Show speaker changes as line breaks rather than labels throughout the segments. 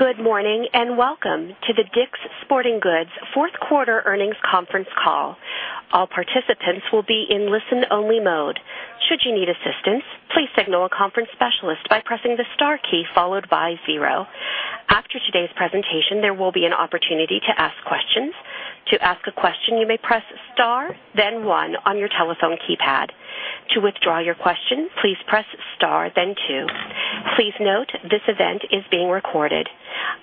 Good morning, welcome to the DICK'S Sporting Goods fourth quarter earnings conference call. All participants will be in listen only mode. Should you need assistance, please signal a conference specialist by pressing the star key followed by 0. After today's presentation, there will be an opportunity to ask questions. To ask a question, you may press star, then 1 on your telephone keypad. To withdraw your question, please press star, then 2. Please note, this event is being recorded.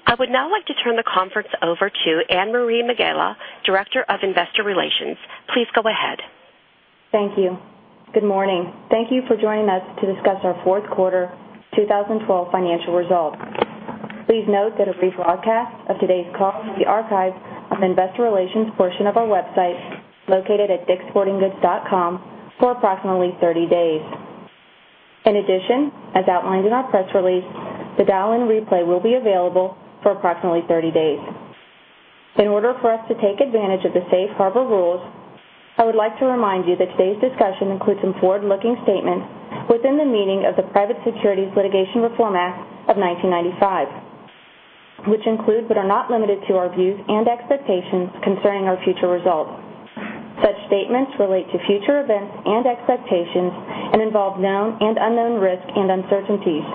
I would now like to turn the conference over to Anne-Marie Megela, Director of Investor Relations. Please go ahead.
Thank you. Good morning. Thank you for joining us to discuss our fourth quarter 2012 financial results. Please note that a brief broadcast of today's call will be archived on the investor relations portion of our website, located at dickssportinggoods.com, for approximately 30 days. In addition, as outlined in our press release, the dial-in replay will be available for approximately 30 days. In order for us to take advantage of the safe harbor rules, I would like to remind you that today's discussion includes some forward-looking statements within the meaning of the Private Securities Litigation Reform Act of 1995, which include, but are not limited to, our views and expectations concerning our future results. Such statements relate to future events and expectations and involve known and unknown risks and uncertainties.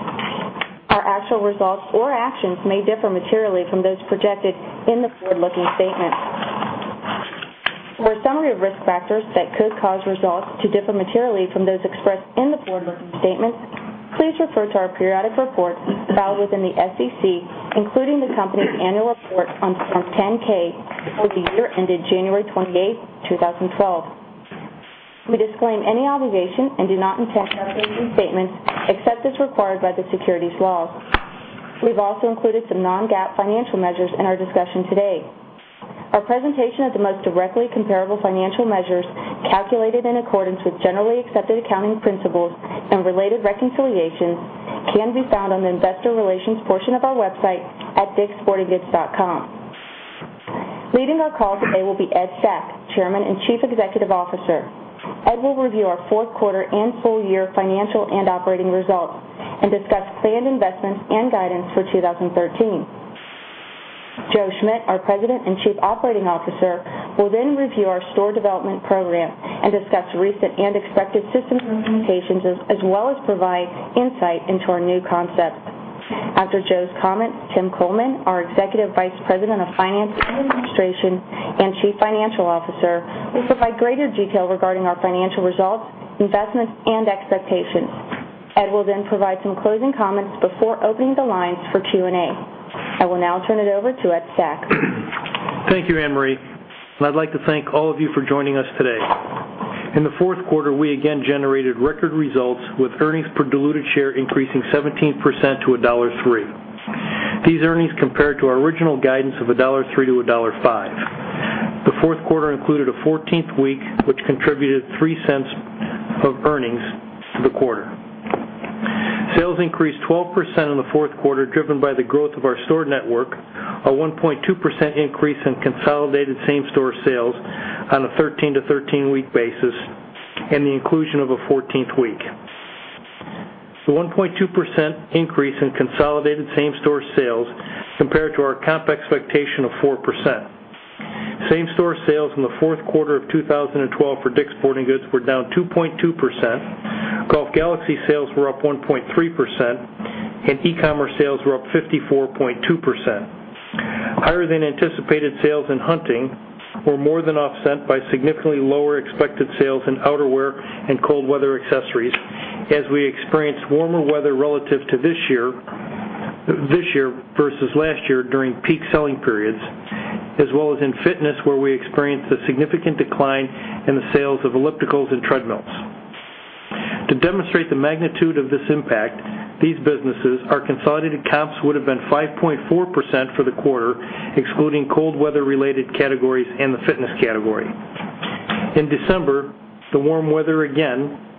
Our actual results or actions may differ materially from those projected in the forward-looking statement. For a summary of risk factors that could cause results to differ materially from those expressed in the forward-looking statement, please refer to our periodic reports filed within the SEC, including the company's annual report on Form 10-K for the year ended January 28th, 2012. We disclaim any obligation and do not intend to update any statement except as required by the securities laws. We've also included some non-GAAP financial measures in our discussion today. Our presentation of the most directly comparable financial measures calculated in accordance with generally accepted accounting principles and related reconciliations can be found on the investor relations portion of our website at dickssportinggoods.com. Leading our call today will be Ed Stack, Chairman and Chief Executive Officer. Ed will review our fourth quarter and full year financial and operating results and discuss planned investments and guidance for 2013. Joe Schmidt, our President and Chief Operating Officer, will then review our store development program and discuss recent and expected system implementations, as well as provide insight into our new concepts. After Joe's comments, Tim Kullman, our Executive Vice President of Finance and Administration and Chief Financial Officer, will provide greater detail regarding our financial results, investments, and expectations. Ed will then provide some closing comments before opening the lines for Q&A. I will now turn it over to Ed Stack.
Thank you, Anne-Marie. I'd like to thank all of you for joining us today. In the fourth quarter, we again generated record results with earnings per diluted share increasing 17% to $1.03. These earnings compare to our original guidance of $1.03-$1.05. The fourth quarter included a 14th week, which contributed $0.03 of earnings to the quarter. Sales increased 12% in the fourth quarter, driven by the growth of our store network, a 1.2% increase in consolidated same-store sales on a 13-to-13-week basis, and the inclusion of a 14th week. The 1.2% increase in consolidated same-store sales compared to our comp expectation of 4%. Same-store sales in the fourth quarter of 2012 for DICK'S Sporting Goods were down 2.2%, Golf Galaxy sales were up 1.3%, and e-commerce sales were up 54.2%. Higher than anticipated sales in hunting were more than offset by significantly lower expected sales in outerwear and cold weather accessories as we experienced warmer weather relative to this year versus last year during peak selling periods, as well as in fitness, where we experienced a significant decline in the sales of ellipticals and treadmills. To demonstrate the magnitude of this impact, these businesses, our consolidated comps, would've been 5.4% for the quarter, excluding cold weather related categories and the fitness category. In December, the warm weather again.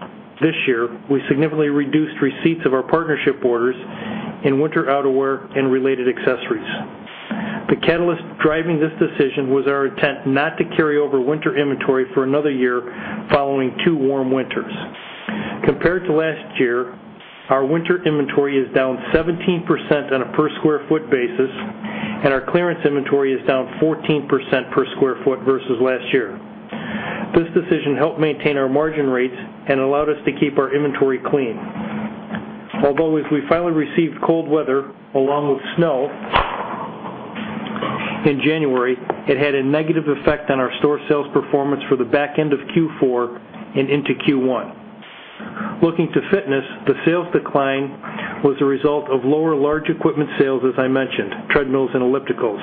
This year, we significantly reduced receipts of our partnership orders in winter outerwear and related accessories. The catalyst driving this decision was our intent not to carry over winter inventory for another year following two warm winters. Compared to last year, our winter inventory is down 17% on a per square foot basis, and our clearance inventory is down 14% per square foot versus last year. This decision helped maintain our margin rates and allowed us to keep our inventory clean. As we finally received cold weather along with snow in January, it had a negative effect on our store sales performance for the back end of Q4 and into Q1. Looking to fitness, the sales decline was a result of lower large equipment sales, as I mentioned, treadmills and ellipticals.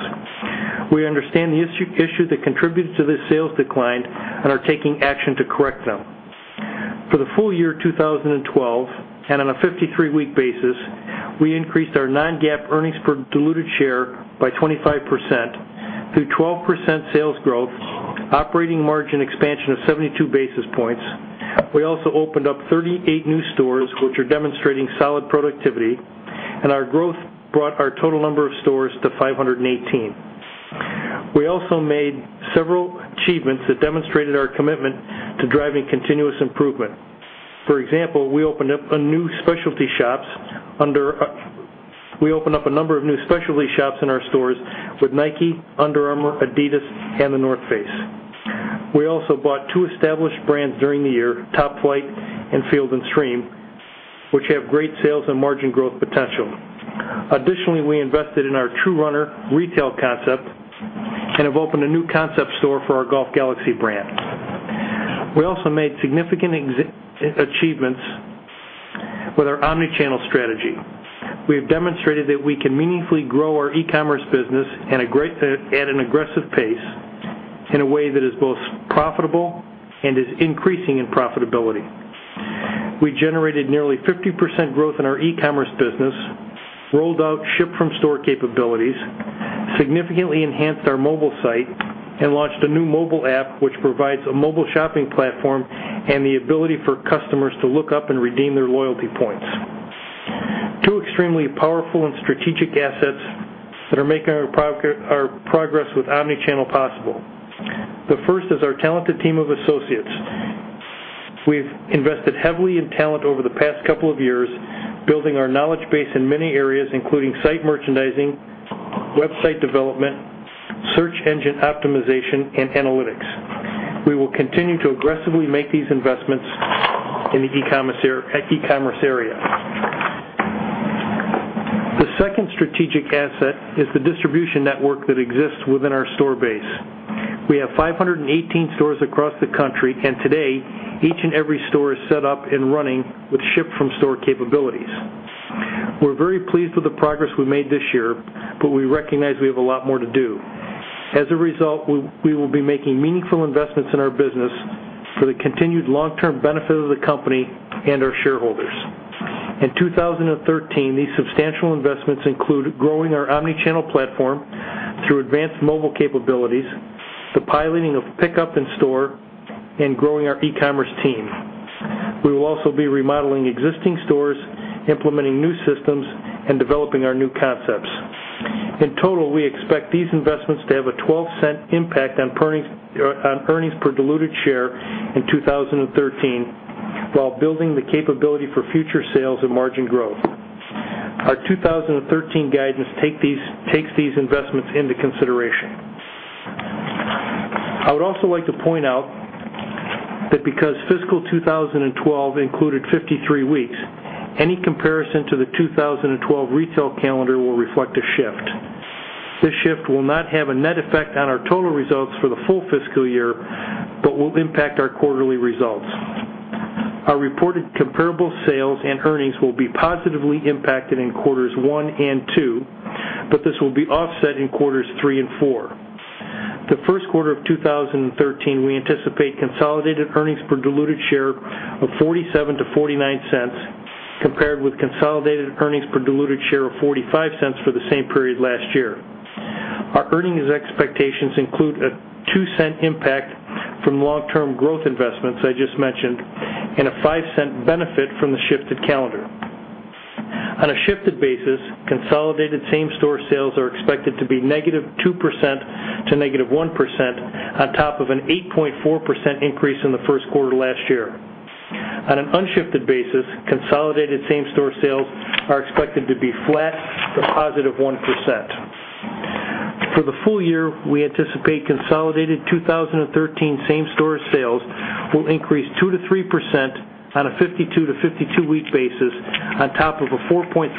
We understand the issue that contributed to this sales decline and are taking action to correct them. For the full year 2012, and on a 53-week basis, we increased our non-GAAP earnings per diluted share by 25% through 12% sales growth, operating margin expansion of 72 basis points. We also opened up 38 new stores, which are demonstrating solid productivity, and our growth brought our total number of stores to 518. We also made several achievements that demonstrated our commitment to driving continuous improvement. For example, we opened up a number of new specialty shops in our stores with Nike, Under Armour, Adidas, and The North Face. We also bought two established brands during the year, Top-Flite and Field & Stream, which have great sales and margin growth potential. Additionally, we invested in our True Runner retail concept and have opened a new concept store for our Golf Galaxy brand. We also made significant achievements with our omni-channel strategy. We have demonstrated that we can meaningfully grow our e-commerce business at an aggressive pace in a way that is both profitable and is increasing in profitability. We generated nearly 50% growth in our e-commerce business, rolled out ship-from-store capabilities, significantly enhanced our mobile site, and launched a new mobile app, which provides a mobile shopping platform and the ability for customers to look up and redeem their loyalty points. Two extremely powerful and strategic assets that are making our progress with omni-channel possible. The first is our talented team of associates. We've invested heavily in talent over the past couple of years, building our knowledge base in many areas, including site merchandising, website development, search engine optimization, and analytics. We will continue to aggressively make these investments at e-commerce area. The second strategic asset is the distribution network that exists within our store base. We have 518 stores across the country, and today, each and every store is set up and running with ship-from-store capabilities. We're very pleased with the progress we made this year, but we recognize we have a lot more to do. As a result, we will be making meaningful investments in our business for the continued long-term benefit of the company and our shareholders. In 2013, these substantial investments include growing our omni-channel platform through advanced mobile capabilities, the piloting of pick-up in store, and growing our e-commerce team. We will also be remodeling existing stores, implementing new systems, and developing our new concepts. In total, we expect these investments to have a $0.12 impact on earnings per diluted share in 2013 while building the capability for future sales and margin growth. Our 2013 guidance takes these investments into consideration. I would also like to point out that because fiscal 2012 included 53 weeks, any comparison to the 2012 retail calendar will reflect a shift. This shift will not have a net effect on our total results for the full fiscal year, but will impact our quarterly results. Our reported comparable sales and earnings will be positively impacted in quarters 1 and 2, but this will be offset in quarters 3 and 4. The first quarter of 2013, we anticipate consolidated earnings per diluted share of $0.47 to $0.49, compared with consolidated earnings per diluted share of $0.45 for the same period last year. Our earnings expectations include a $0.02 impact from long-term growth investments I just mentioned, and a $0.05 benefit from the shifted calendar. On a shifted basis, consolidated same-store sales are expected to be -2% to -1% on top of an 8.4% increase in the first quarter last year. On an unshifted basis, consolidated same-store sales are expected to be flat to +1%. For the full year, we anticipate consolidated 2013 same-store sales will increase 2%-3% on a 52-to-52-week basis on top of a 4.3%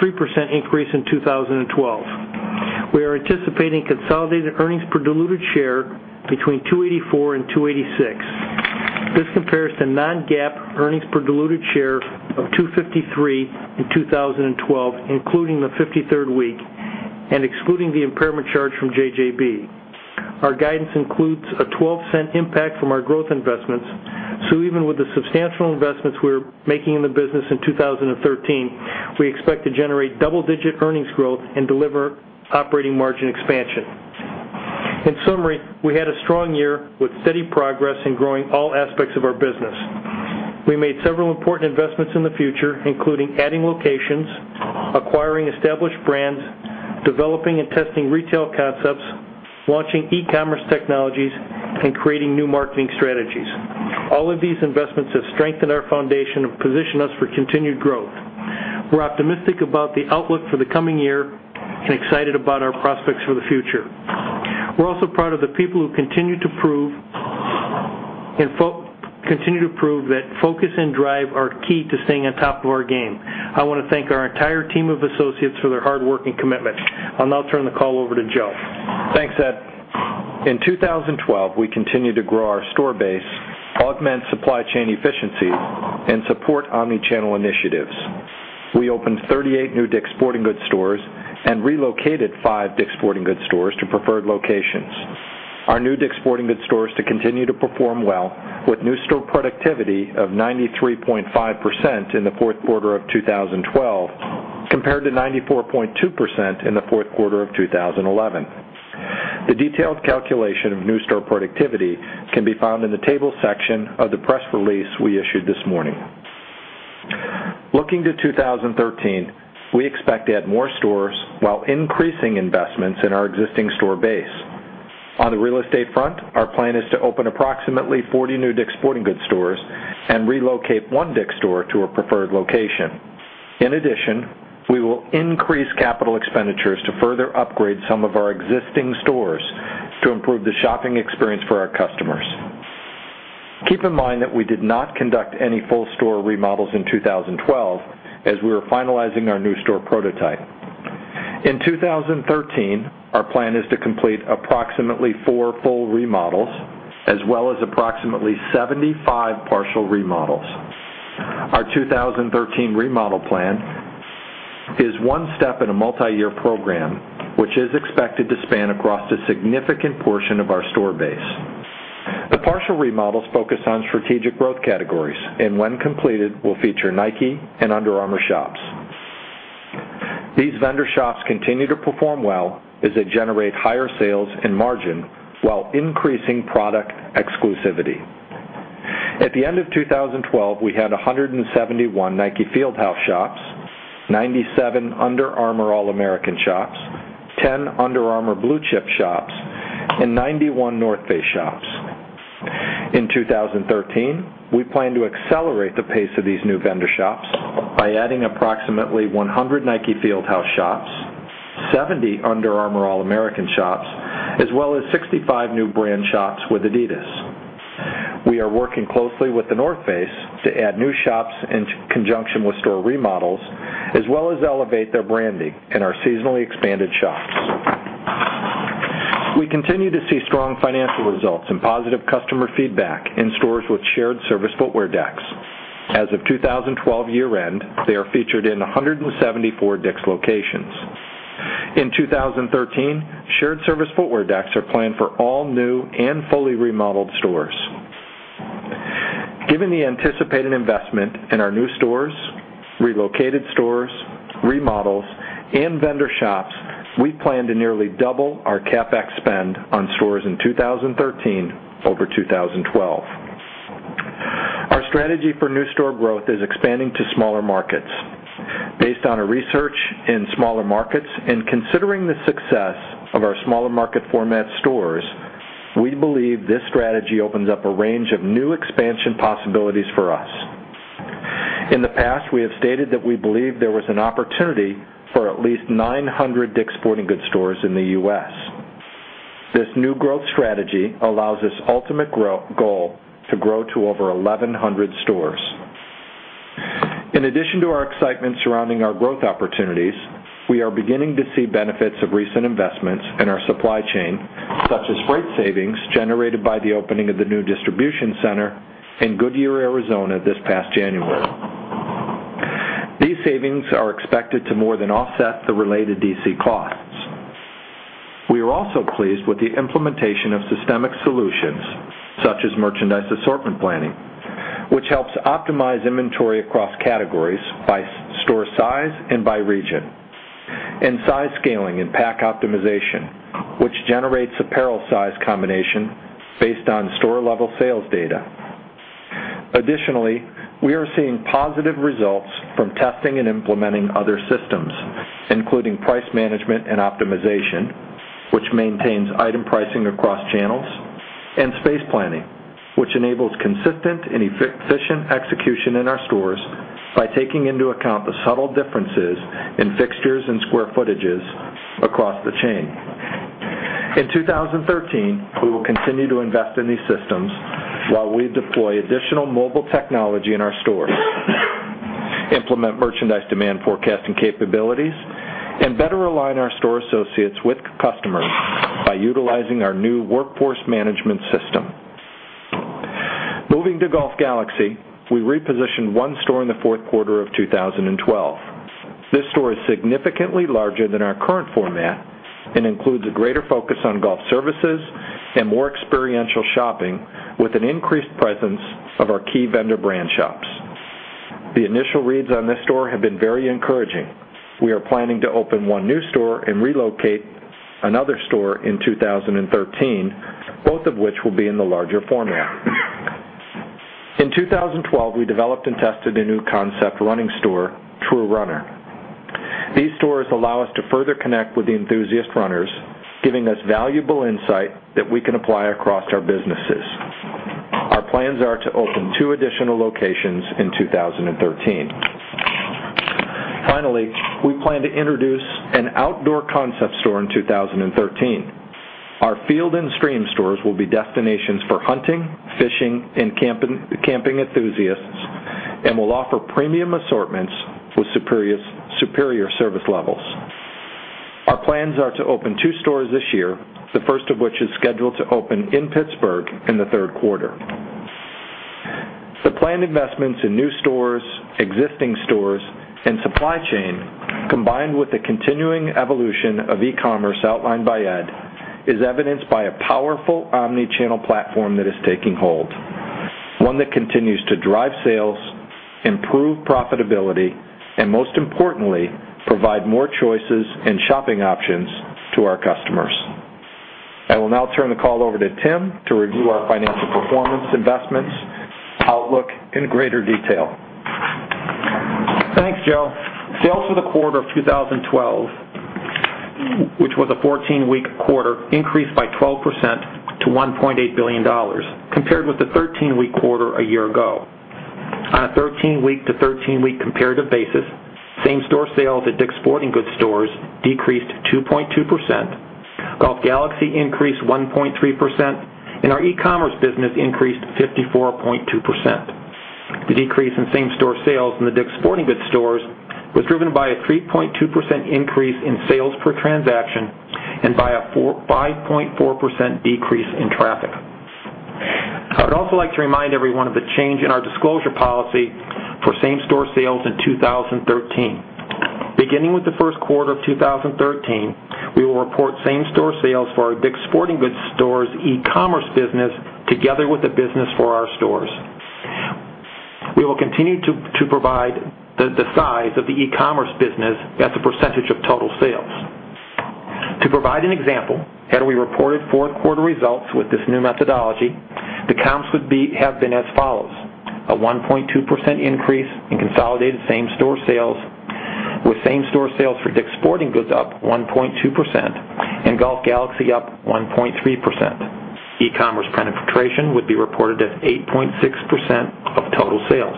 increase in 2012. We are anticipating consolidated earnings per diluted share between $2.84 and $2.86. This compares to non-GAAP earnings per diluted share of $2.53 in 2012, including the 53rd week and excluding the impairment charge from JJB. Even with the substantial investments we're making in the business in 2013, we expect to generate double-digit earnings growth and deliver operating margin expansion. In summary, we had a strong year with steady progress in growing all aspects of our business. We made several important investments in the future, including adding locations, acquiring established brands, developing and testing retail concepts, launching e-commerce technologies, and creating new marketing strategies. All of these investments have strengthened our foundation and positioned us for continued growth. We're optimistic about the outlook for the coming year and excited about our prospects for the future. We're also proud of the people who continue to prove that focus and drive are key to staying on top of our game. I want to thank our entire team of associates for their hard work and commitment. I'll now turn the call over to Joe.
Thanks, Ed. In 2012, we continued to grow our store base, augment supply chain efficiency, and support omni-channel initiatives. We opened 38 new DICK'S Sporting Goods stores and relocated five DICK'S Sporting Goods stores to preferred locations. Our new DICK'S Sporting Goods stores continue to perform well, with new store productivity of 93.5% in the fourth quarter of 2012, compared to 94.2% in the fourth quarter of 2011. The detailed calculation of new store productivity can be found in the tables section of the press release we issued this morning. Looking to 2013, we expect to add more stores while increasing investments in our existing store base. On the real estate front, our plan is to open approximately 40 new DICK'S Sporting Goods stores and relocate one DICK'S store to a preferred location. In addition, we will increase capital expenditures to further upgrade some of our existing stores to improve the shopping experience for our customers. Keep in mind that we did not conduct any full-store remodels in 2012, as we were finalizing our new store prototype. In 2013, our plan is to complete approximately four full remodels, as well as approximately 75 partial remodels. Our 2013 remodel plan is one step in a multi-year program, which is expected to span across a significant portion of our store base. The partial remodels focus on strategic growth categories and when completed, will feature Nike and Under Armour shops. These vendor shops continue to perform well as they generate higher sales and margin while increasing product exclusivity. At the end of 2012, we had 171 Nike Fieldhouse shops, 97 Under Armour All-American shops, 10 Under Armour Blue Chip shops, and 91 North Face shops. In 2013, we plan to accelerate the pace of these new vendor shops by adding approximately 100 Nike Fieldhouse shops, 70 Under Armour All-American shops, as well as 65 new brand shops with Adidas. We are working closely with The North Face to add new shops in conjunction with store remodels, as well as elevate their branding in our seasonally expanded shops. We continue to see strong financial results and positive customer feedback in stores with shared service footwear decks. As of 2012 year-end, they are featured in 174 DICK'S locations. In 2013, shared service footwear decks are planned for all new and fully remodeled stores. Given the anticipated investment in our new stores, relocated stores, remodels, and vendor shops, we plan to nearly double our CapEx spend on stores in 2013 over 2012. Our strategy for new store growth is expanding to smaller markets. Based on our research in smaller markets and considering the success of our smaller market format stores, we believe this strategy opens up a range of new expansion possibilities for us. In the past, we have stated that we believe there was an opportunity for at least 900 DICK'S Sporting Goods stores in the U.S. This new growth strategy allows this ultimate goal to grow to over 1,100 stores. In addition to our excitement surrounding our growth opportunities, we are beginning to see benefits of recent investments in our supply chain, such as freight savings generated by the opening of the new distribution center in Goodyear, Arizona, this past January. These savings are expected to more than offset the related DC costs. We are also pleased with the implementation of systemic solutions such as merchandise assortment planning, which helps optimize inventory across categories by store size and by region. Size scaling and pack optimization, which generates apparel size combination based on store-level sales data. Additionally, we are seeing positive results from testing and implementing other systems, including price management and optimization, which maintains item pricing across channels, and space planning, which enables consistent and efficient execution in our stores by taking into account the subtle differences in fixtures and square footages across the chain. In 2013, we will continue to invest in these systems while we deploy additional mobile technology in our stores, implement merchandise demand forecasting capabilities, and better align our store associates with customers by utilizing our new workforce management system. Moving to Golf Galaxy, we repositioned one store in the fourth quarter of 2012. This store is significantly larger than our current format and includes a greater focus on golf services and more experiential shopping, with an increased presence of our key vendor brand shops. The initial reads on this store have been very encouraging. We are planning to open one new store and relocate another store in 2013, both of which will be in the larger format. In 2012, we developed and tested a new concept running store, True Runner. These stores allow us to further connect with the enthusiast runners, giving us valuable insight that we can apply across our businesses. Our plans are to open two additional locations in 2013. Finally, we plan to introduce an outdoor concept store in 2013. Our Field & Stream stores will be destinations for hunting, fishing, and camping enthusiasts, and will offer premium assortments with superior service levels. Our plans are to open two stores this year, the first of which is scheduled to open in Pittsburgh in the third quarter. The planned investments in new stores, existing stores, and supply chain, combined with the continuing evolution of e-commerce outlined by Ed, is evidenced by a powerful omni-channel platform that is taking hold. One that continues to drive sales, improve profitability, and most importantly, provide more choices and shopping options to our customers. I will now turn the call over to Tim to review our financial performance investments outlook in greater detail.
Thanks, Joe. Sales for the quarter of 2012, which was a 14-week quarter, increased by 12% to $1.8 billion, compared with the 13-week quarter a year ago. On a 13-week to 13-week comparative basis, same-store sales at DICK'S Sporting Goods stores decreased 2.2%, Golf Galaxy increased 1.3%, and our e-commerce business increased 54.2%. The decrease in same-store sales in the DICK'S Sporting Goods stores was driven by a 3.2% increase in sales per transaction and by a 5.4% decrease in traffic. I would also like to remind everyone of the change in our disclosure policy for same-store sales in 2013. Beginning with the first quarter of 2013, we will report same-store sales for our DICK'S Sporting Goods stores e-commerce business together with the business for our stores. We will continue to provide the size of the e-commerce business as a percentage of total sales. To provide an example, had we reported fourth quarter results with this new methodology, the comps have been as follows: a 1.2% increase in consolidated same-store sales, with same-store sales for DICK'S Sporting Goods up 1.2% and Golf Galaxy up 1.3%. E-commerce penetration would be reported as 8.6% of total sales.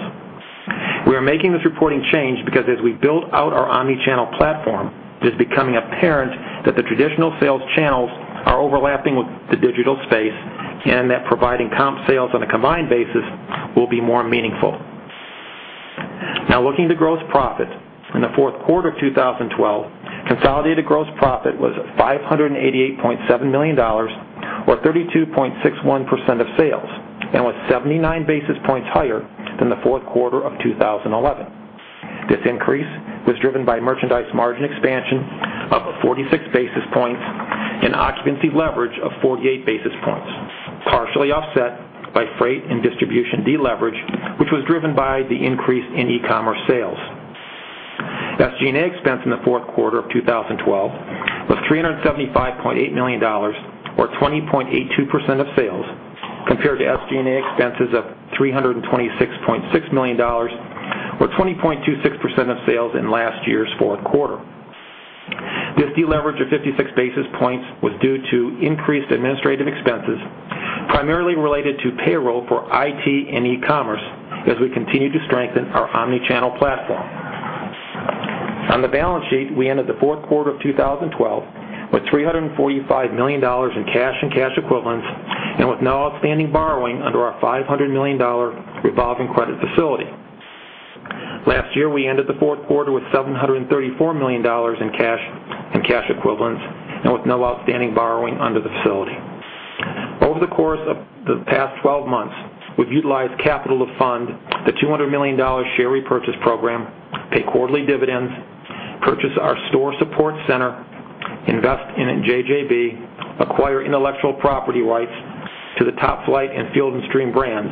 We are making this reporting change because as we build out our omni-channel platform, it is becoming apparent that the traditional sales channels are overlapping with the digital space, and that providing comp sales on a combined basis will be more meaningful. Looking to gross profit. In the fourth quarter of 2012, consolidated gross profit was $588.7 million, or 32.61% of sales, and was 79 basis points higher than the fourth quarter of 2011. This increase was driven by merchandise margin expansion up 46 basis points and occupancy leverage of 48 basis points, partially offset by freight and distribution deleverage, which was driven by the increase in e-commerce sales. SG&A expense in the fourth quarter of 2012 was $375.8 million or 20.82% of sales, compared to SG&A expenses of $326.6 million or 20.26% of sales in last year's fourth quarter. This deleverage of 56 basis points was due to increased administrative expenses, primarily related to payroll for IT and e-commerce as we continue to strengthen our omni-channel platform. On the balance sheet, we ended the fourth quarter of 2012 with $345 million in cash and cash equivalents and with no outstanding borrowing under our $500 million revolving credit facility. Last year, we ended the fourth quarter with $734 million in cash and cash equivalents and with no outstanding borrowing under the facility. Over the course of the past 12 months, we've utilized capital to fund the $200 million share repurchase program, pay quarterly dividends, purchase our store support center, invest in JJB, acquire intellectual property rights to the Top Flite and Field & Stream brands,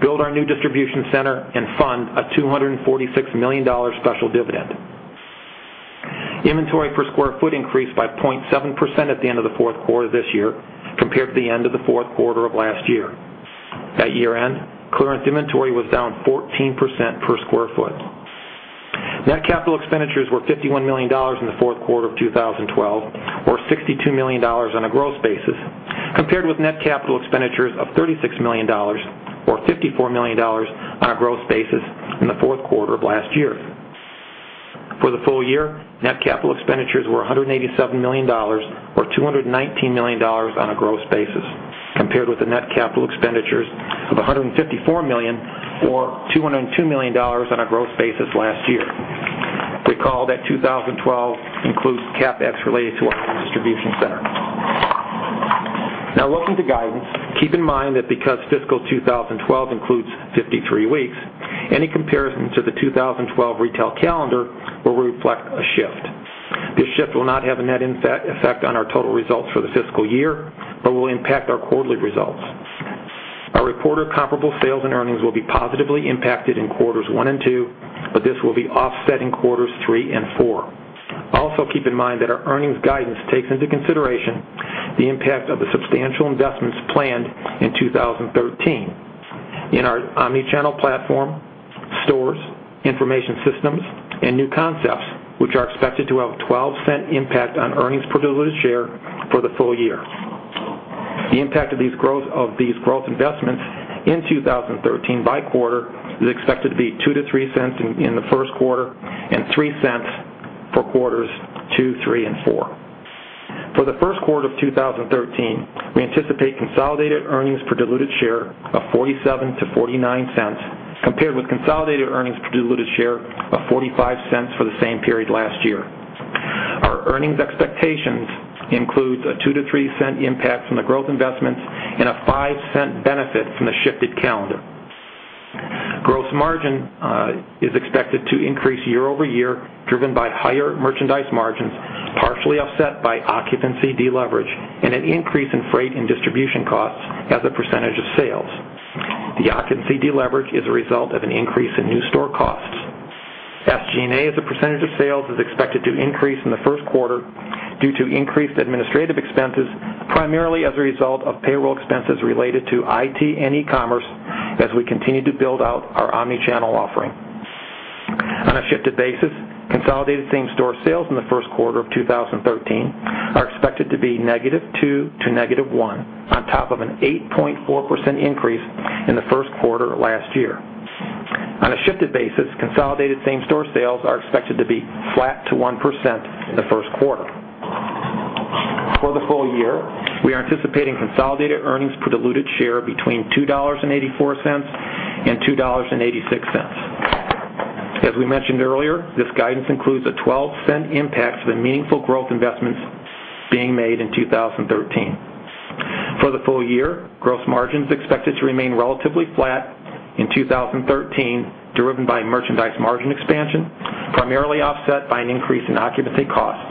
build our new distribution center, and fund a $246 million special dividend. Inventory per square foot increased by 0.7% at the end of the fourth quarter this year compared to the end of the fourth quarter of last year. At year-end, clearance inventory was down 14% per square foot. Net capital expenditures were $51 million in the fourth quarter of 2012, or $62 million on a gross basis, compared with net capital expenditures of $36 million or $54 million on a gross basis in the fourth quarter of last year. For the full year, net capital expenditures were $187 million or $219 million on a gross basis, compared with the net capital expenditures of $154 million or $202 million on a gross basis last year. Recall that 2012 includes CapEx related to our new distribution center. Looking to guidance, keep in mind that because fiscal 2012 includes 53 weeks, any comparison to the 2012 retail calendar will reflect a shift. This shift will not have a net effect on our total results for the fiscal year but will impact our quarterly results. Our reported comparable sales and earnings will be positively impacted in Quarters One and Two, but this will be offset in Quarters Three and Four. Keep in mind that our earnings guidance takes into consideration the impact of the substantial investments planned in 2013 in our omni-channel platform, stores, information systems, and new concepts, which are expected to have a $0.12 impact on earnings per diluted share for the full year. The impact of these growth investments in 2013 by quarter is expected to be $0.02-$0.03 in the first quarter and $0.03 for Quarters Two, Three and Four. For the first quarter of 2013, we anticipate consolidated earnings per diluted share of $0.47-$0.49, compared with consolidated earnings per diluted share of $0.45 for the same period last year. Our earnings expectations includes a $0.02-$0.03 impact from the growth investments and a $0.05 benefit from the shifted calendar. Gross margin is expected to increase year-over-year, driven by higher merchandise margins, partially offset by occupancy deleverage and an increase in freight and distribution costs as a % of sales. The occupancy deleverage is a result of an increase in new store costs. SG&A as a % of sales is expected to increase in the first quarter due to increased administrative expenses, primarily as a result of payroll expenses related to IT and e-commerce as we continue to build out our omni-channel offering. On a shifted basis, consolidated same-store sales in the first quarter of 2013 are expected to be -2% to -1%, on top of an 8.4% increase in the first quarter of last year. On a shifted basis, consolidated same-store sales are expected to be flat to 1% in the first quarter. For the full year, we are anticipating consolidated earnings per diluted share between $2.84 and $2.86. As we mentioned earlier, this guidance includes a $0.12 impact for the meaningful growth investments being made in 2013. For the full year, gross margin is expected to remain relatively flat in 2013, driven by merchandise margin expansion, primarily offset by an increase in occupancy costs.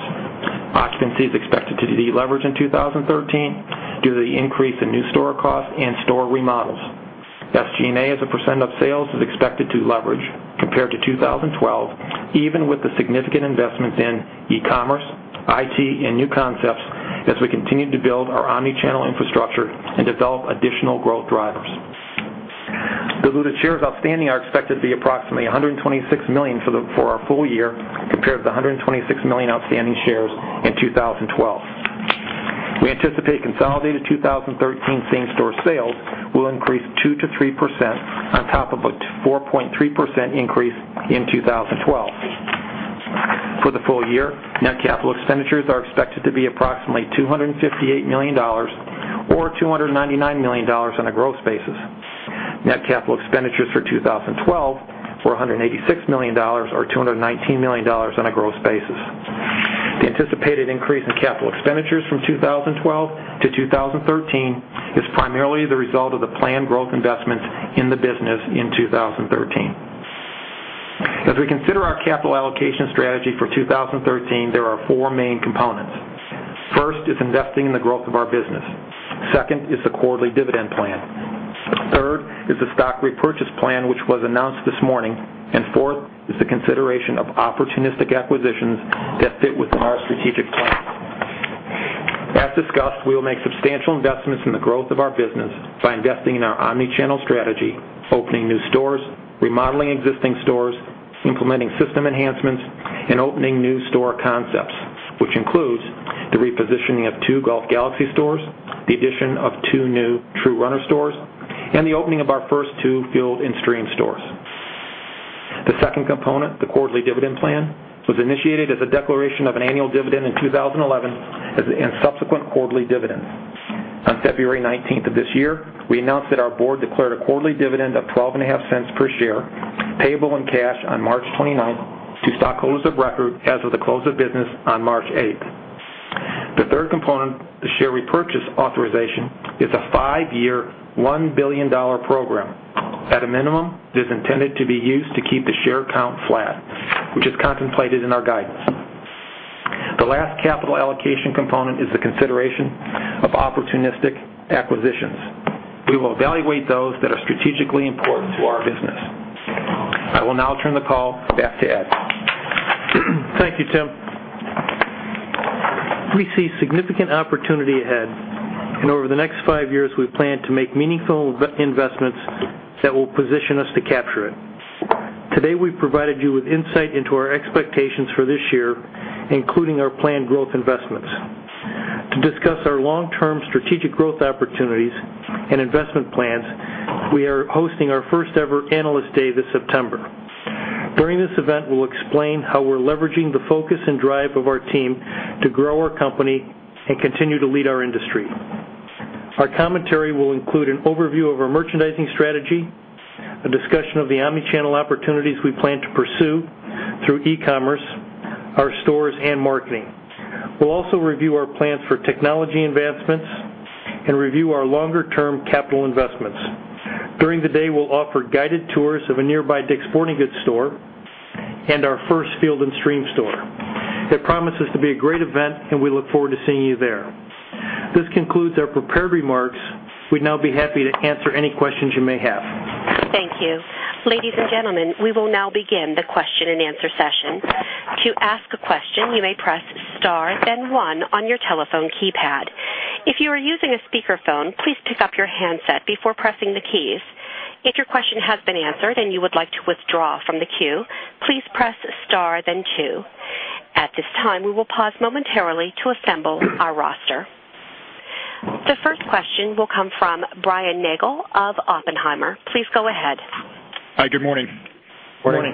Occupancy is expected to deleverage in 2013 due to the increase in new store costs and store remodels. SG&A as a % of sales is expected to leverage compared to 2012, even with the significant investments in e-commerce, IT, and new concepts as we continue to build our omni-channel infrastructure and develop additional growth drivers. Diluted shares outstanding are expected to be approximately 126 million for our full year, compared to the 126 million outstanding shares in 2012. We anticipate consolidated 2013 same-store sales will increase 2% to 3% on top of a 4.3% increase in 2012. For the full year, net capital expenditures are expected to be approximately $258 million, or $299 million on a gross basis. Net capital expenditures for 2012 were $186 million, or $219 million on a gross basis. The anticipated increase in capital expenditures from 2012 to 2013 is primarily the result of the planned growth investments in the business in 2013. As we consider our capital allocation strategy for 2013, there are four main components. First is investing in the growth of our business. Second is the quarterly dividend plan. Third is the stock repurchase plan, which was announced this morning. Fourth is the consideration of opportunistic acquisitions that fit within our strategic plan. As discussed, we will make substantial investments in the growth of our business by investing in our omni-channel strategy, opening new stores, remodeling existing stores, implementing system enhancements, and opening new store concepts, which includes the repositioning of two Golf Galaxy stores, the addition of two new True Runner stores, and the opening of our first two Field & Stream stores. The second component, the quarterly dividend plan, was initiated as a declaration of an annual dividend in 2011 and subsequent quarterly dividends. On February 19th of this year, we announced that our board declared a quarterly dividend of $0.125 per share, payable in cash on March 29th to stockholders of record as of the close of business on March 8th. The third component, the share repurchase authorization, is a five-year, $1 billion program. At a minimum, it is intended to be used to keep the share count flat, which is contemplated in our guidance. The last capital allocation component is the consideration of opportunistic acquisitions. We will evaluate those that are strategically important to our business. I will now turn the call back to Ed.
Thank you, Tim. We see significant opportunity ahead. Over the next five years, we plan to make meaningful investments that will position us to capture it. Today, we provided you with insight into our expectations for this year, including our planned growth investments. To discuss our long-term strategic growth opportunities and investment plans, we are hosting our first-ever Analyst Day this September. During this event, we'll explain how we're leveraging the focus and drive of our team to grow our company and continue to lead our industry. Our commentary will include an overview of our merchandising strategy, a discussion of the omni-channel opportunities we plan to pursue through e-commerce, our stores, and marketing. We'll also review our plans for technology advancements and review our longer-term capital investments. During the day, we'll offer guided tours of a nearby DICK'S Sporting Goods store and our first Field & Stream store. It promises to be a great event, and we look forward to seeing you there. This concludes our prepared remarks. We'd now be happy to answer any questions you may have.
Thank you. Ladies and gentlemen, we will now begin the question and answer session. To ask a question, you may press star then one on your telephone keypad. If you are using a speakerphone, please pick up your handset before pressing the keys. If your question has been answered and you would like to withdraw from the queue, please press star then two. At this time, we will pause momentarily to assemble our roster. The first question will come from Brian Nagel of Oppenheimer. Please go ahead.
Hi, good morning.
Morning.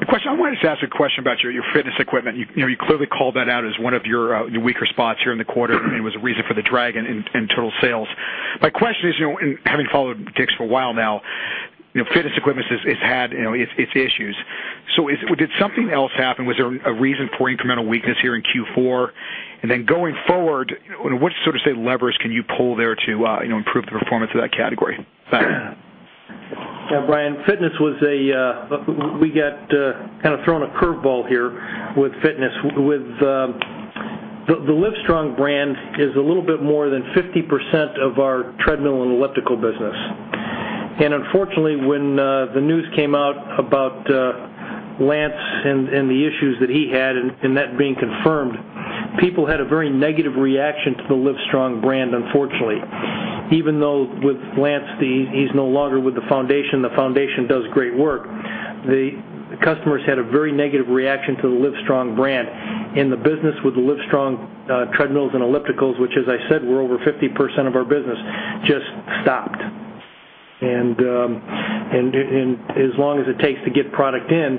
The question I wanted to ask a question about your fitness equipment. You clearly called that out as one of your weaker spots here in the quarter, and it was a reason for the drag in total sales. My question is, and having followed DICK'S for a while now, fitness equipment it's had its issues. Did something else happen? Was there a reason for incremental weakness here in Q4? Going forward, what sort of say, levers can you pull there to improve the performance of that category? Thanks.
Yeah, Brian, we got kind of thrown a curve ball here with fitness with the Livestrong brand is a little bit more than 50% of our treadmill and elliptical business. Unfortunately, when the news came out about Lance and the issues that he had, and that being confirmed, people had a very negative reaction to the Livestrong brand, unfortunately. Even though with Lance, he's no longer with the foundation, the foundation does great work. The customers had a very negative reaction to the Livestrong brand. The business with the Livestrong treadmills and ellipticals, which as I said, were over 50% of our business, just stopped. As long as it takes to get product in,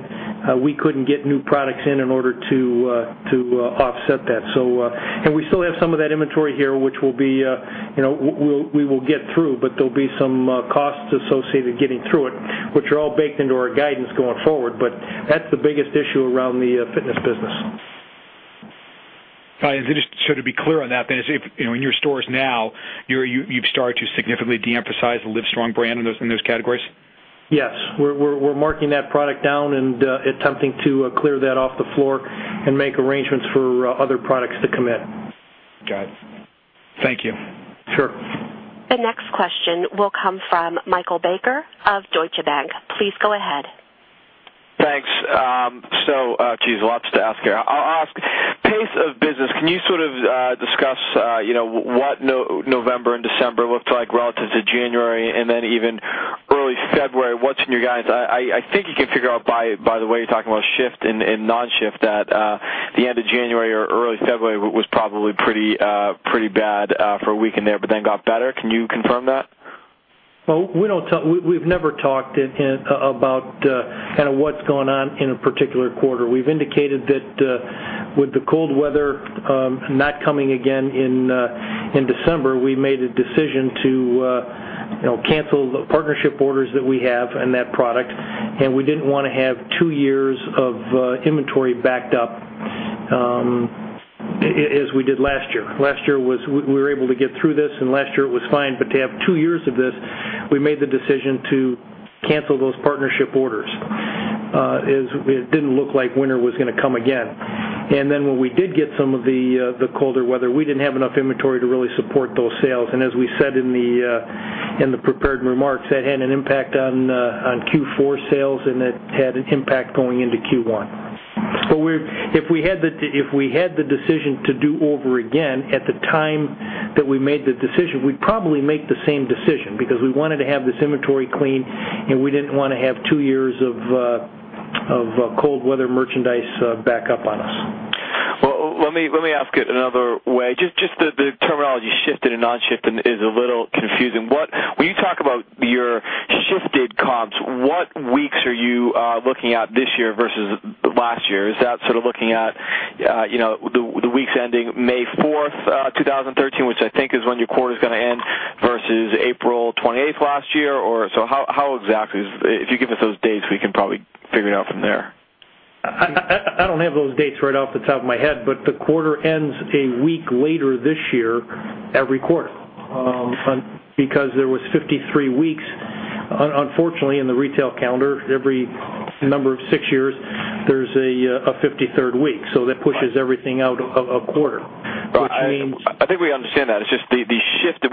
we couldn't get new products in in order to offset that. We still have some of that inventory here, which we will get through, there'll be some costs associated getting through it, which are all baked into our guidance going forward. That's the biggest issue around the fitness business.
Just to be clear on that then, in your stores now, you've started to significantly de-emphasize the Livestrong brand in those categories?
Yes. We're marking that product down and attempting to clear that off the floor and make arrangements for other products to come in.
Got it. Thank you.
Sure.
The next question will come from Michael Baker of Deutsche Bank. Please go ahead.
Thanks. Geez, lots to ask here. I'll ask, pace of business, can you sort of discuss what November and December looked like relative to January and then even early February? What's new, guys? I think you can figure out by the way you're talking about shift and non-shift, that the end of January or early February was probably pretty bad for a week in there, then got better. Can you confirm that?
We've never talked about what's going on in a particular quarter. We've indicated that with the cold weather not coming again in December, we made a decision to cancel the partnership orders that we have on that product, and we didn't want to have two years of inventory backed up as we did last year. Last year, we were able to get through this, and last year it was fine. To have two years of this, we made the decision to cancel those partnership orders. It didn't look like winter was going to come again. Then when we did get some of the colder weather, we didn't have enough inventory to really support those sales. As we said in the prepared remarks, that had an impact on Q4 sales and that had an impact going into Q1. If we had the decision to do over again at the time that we made the decision, we'd probably make the same decision because we wanted to have this inventory clean, and we didn't want to have two years of cold weather merchandise back up on us.
Let me ask it another way. Just the terminology shifted and non-shifted is a little confusing. When you talk about your shifted comps, what weeks are you looking at this year versus last year? Is that sort of looking at the weeks ending May 4th, 2013, which I think is when your quarter is going to end, versus April 28th last year? If you give us those dates, we can probably figure it out from there.
I don't have those dates right off the top of my head. The quarter ends a week later this year every quarter. There was 53 weeks, unfortunately, in the retail calendar, every number of six years, there's a 53rd week. That pushes everything out a quarter, which means.
I think we understand that. It's just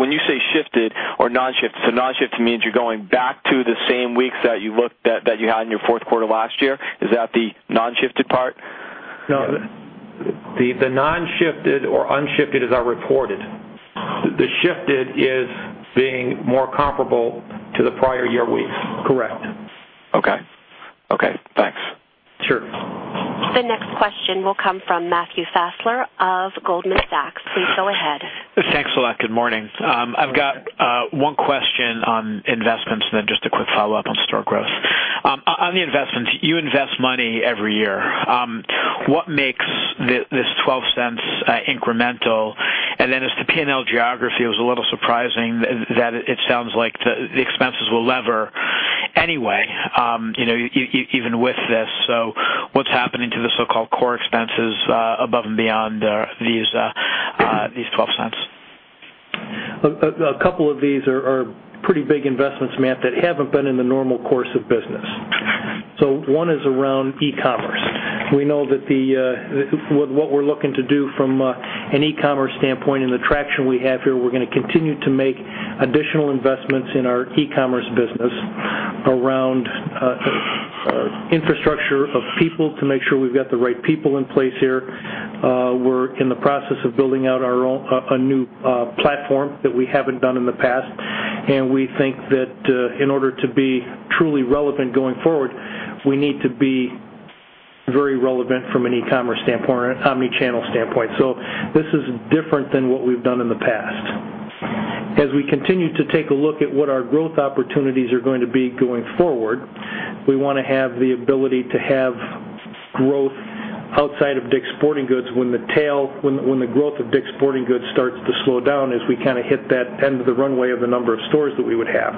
when you say shifted or non-shifted, so non-shifted means you're going back to the same weeks that you had in your fourth quarter last year. Is that the non-shifted part?
No.
The non-shifted or unshifted is our reported. The shifted is being more comparable to the prior year weeks.
Correct.
Okay. Thanks.
Sure.
The next question will come from Matthew Fassler of Goldman Sachs. Please go ahead.
Thanks a lot. Good morning. I've got one question on investments and then just a quick follow-up on store growth. On the investments, you invest money every year. What makes this $0.12 incremental? As to P&L geography, it was a little surprising that it sounds like the expenses will lever anyway, even with this. What's happening to the so-called core expenses above and beyond these $0.12?
A couple of these are pretty big investments, Matt, that haven't been in the normal course of business. One is around e-commerce. We know that what we're looking to do from an e-commerce standpoint and the traction we have here, we're going to continue to make additional investments in our e-commerce business around infrastructure of people to make sure we've got the right people in place here. We're in the process of building out a new platform that we haven't done in the past. We think that in order to be truly relevant going forward, we need to be very relevant from an e-commerce standpoint or an omni-channel standpoint. This is different than what we've done in the past. As we continue to take a look at what our growth opportunities are going to be going forward, we want to have the ability to have growth outside of DICK'S Sporting Goods when the growth of DICK'S Sporting Goods starts to slow down as we kind of hit that end of the runway of the number of stores that we would have.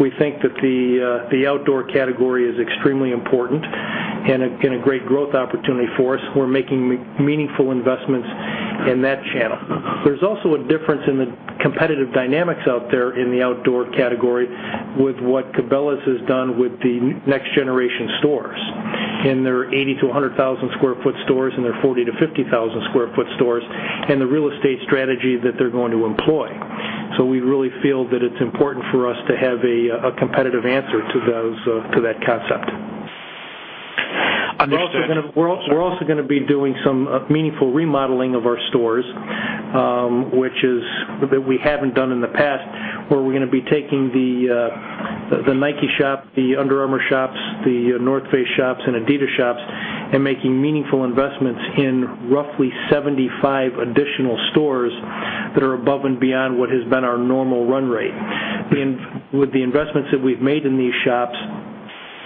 We think that the outdoor category is extremely important and a great growth opportunity for us. We're making meaningful investments in that channel. There's also a difference in the competitive dynamics out there in the outdoor category with what Cabela's has done with the next generation stores. In their 80,000-100,000 sq ft stores and their 40,000-50,000 sq ft stores and the real estate strategy that they're going to employ. We really feel that it's important for us to have a competitive answer to that concept.
Understood.
We're also going to be doing some meaningful remodeling of our stores, that we haven't done in the past, where we're going to be taking the Nike shop, the Under Armour shops, the North Face shops, and Adidas shops, and making meaningful investments in roughly 75 additional stores that are above and beyond what has been our normal run rate. With the investments that we've made in these shops,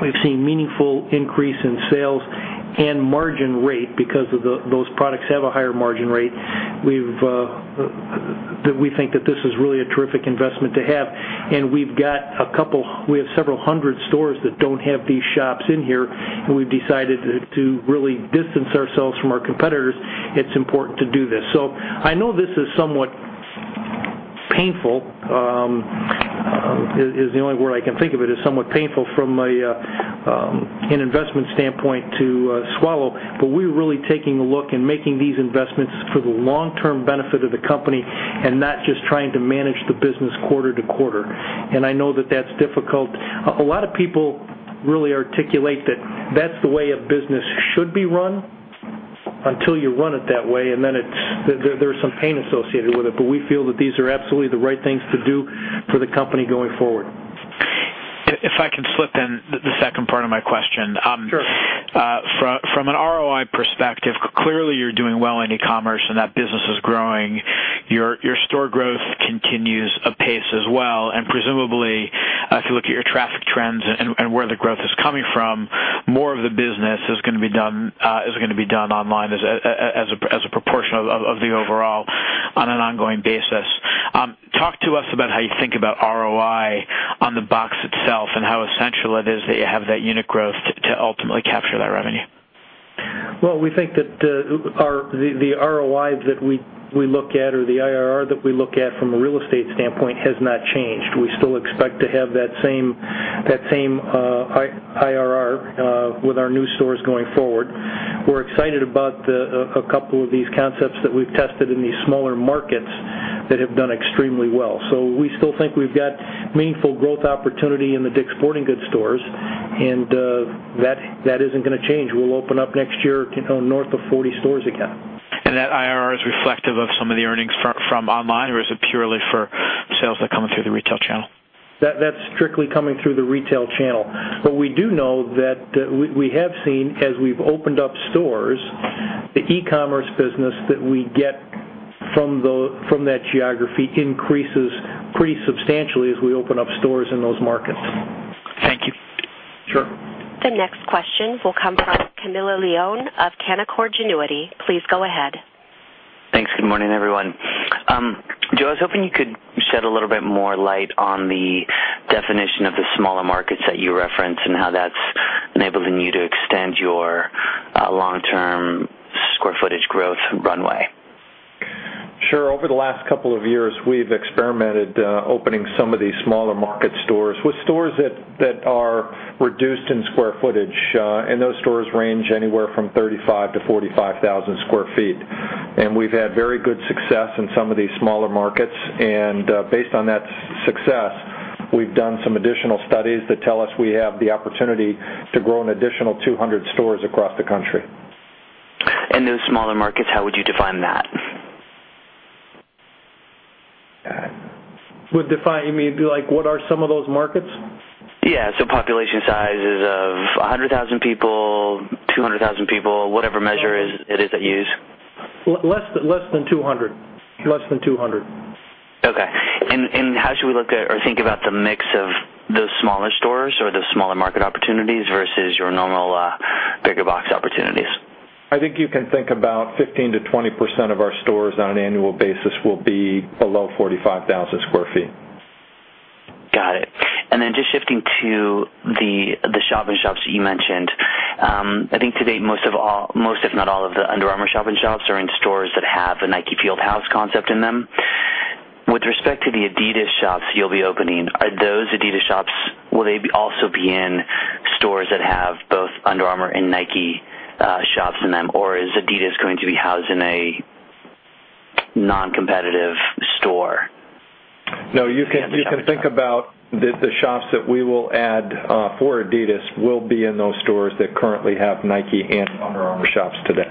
we've seen meaningful increase in sales and margin rate because those products have a higher margin rate, that we think that this is really a terrific investment to have. We have several hundred stores that don't have these shops in here, and we've decided to really distance ourselves from our competitors, it's important to do this. I know this is somewhat painful, is the only word I can think of it as, somewhat painful from an investment standpoint to swallow. We're really taking a look and making these investments for the long-term benefit of the company and not just trying to manage the business quarter to quarter. I know that that's difficult. A lot of people really articulate that that's the way a business should be run, until you run it that way, and then there's some pain associated with it. We feel that these are absolutely the right things to do for the company going forward.
If I can slip in the second part of my question.
Sure.
From an ROI perspective, clearly you're doing well in e-commerce and that business is growing. Your store growth continues apace as well. Presumably, if you look at your traffic trends and where the growth is coming from, more of the business is going to be done online as a proportion of the overall on an ongoing basis. Talk to us about how you think about ROI on the box itself and how essential it is that you have that unit growth to ultimately capture that revenue.
We think that the ROI that we look at, or the IRR that we look at from a real estate standpoint, has not changed. We still expect to have that same IRR with our new stores going forward. We're excited about a couple of these concepts that we've tested in these smaller markets that have done extremely well. We still think we've got meaningful growth opportunity in the DICK'S Sporting Goods stores, and that isn't going to change. We'll open up next year north of 40 stores again.
That IRR is reflective of some of the earnings from online, or is it purely for sales that are coming through the retail channel?
That's strictly coming through the retail channel. We do know that we have seen, as we've opened up stores, the e-commerce business that we get from that geography increases pretty substantially as we open up stores in those markets.
Thank you.
Sure.
The next question will come from Camilo Lyon of Canaccord Genuity. Please go ahead.
Thanks. Good morning, everyone. Joe, I was hoping you could shed a little bit more light on the definition of the smaller markets that you reference and how that's enabling you to extend your long-term square footage growth runway.
Sure. Over the last couple of years, we've experimented opening some of these smaller market stores with stores that are reduced in square footage. Those stores range anywhere from 35,000 to 45,000 square feet. We've had very good success in some of these smaller markets. Based on that success, we've done some additional studies that tell us we have the opportunity to grow an additional 200 stores across the country.
Those smaller markets, how would you define that?
You mean, like, what are some of those markets?
Yeah. Population sizes of 100,000 people, 200,000 people, whatever measure it is that you use.
Less than 200.
Okay. How should we look at or think about the mix of those smaller stores or the smaller market opportunities versus your normal bigger box opportunities?
I think you can think about 15%-20% of our stores on an annual basis will be below 45,000 sq ft.
Got it. Just shifting to the shop-in-shops that you mentioned. I think to date, most, if not all, of the Under Armour shop-in-shops are in stores that have the Nike Fieldhouse concept in them. With respect to the Adidas shops you'll be opening, are those Adidas shops, will they also be in stores that have both Under Armour and Nike shops in them, or is Adidas going to be housed in a non-competitive store?
No, you can think about the shops that we will add for Adidas will be in those stores that currently have Nike and Under Armour shops today.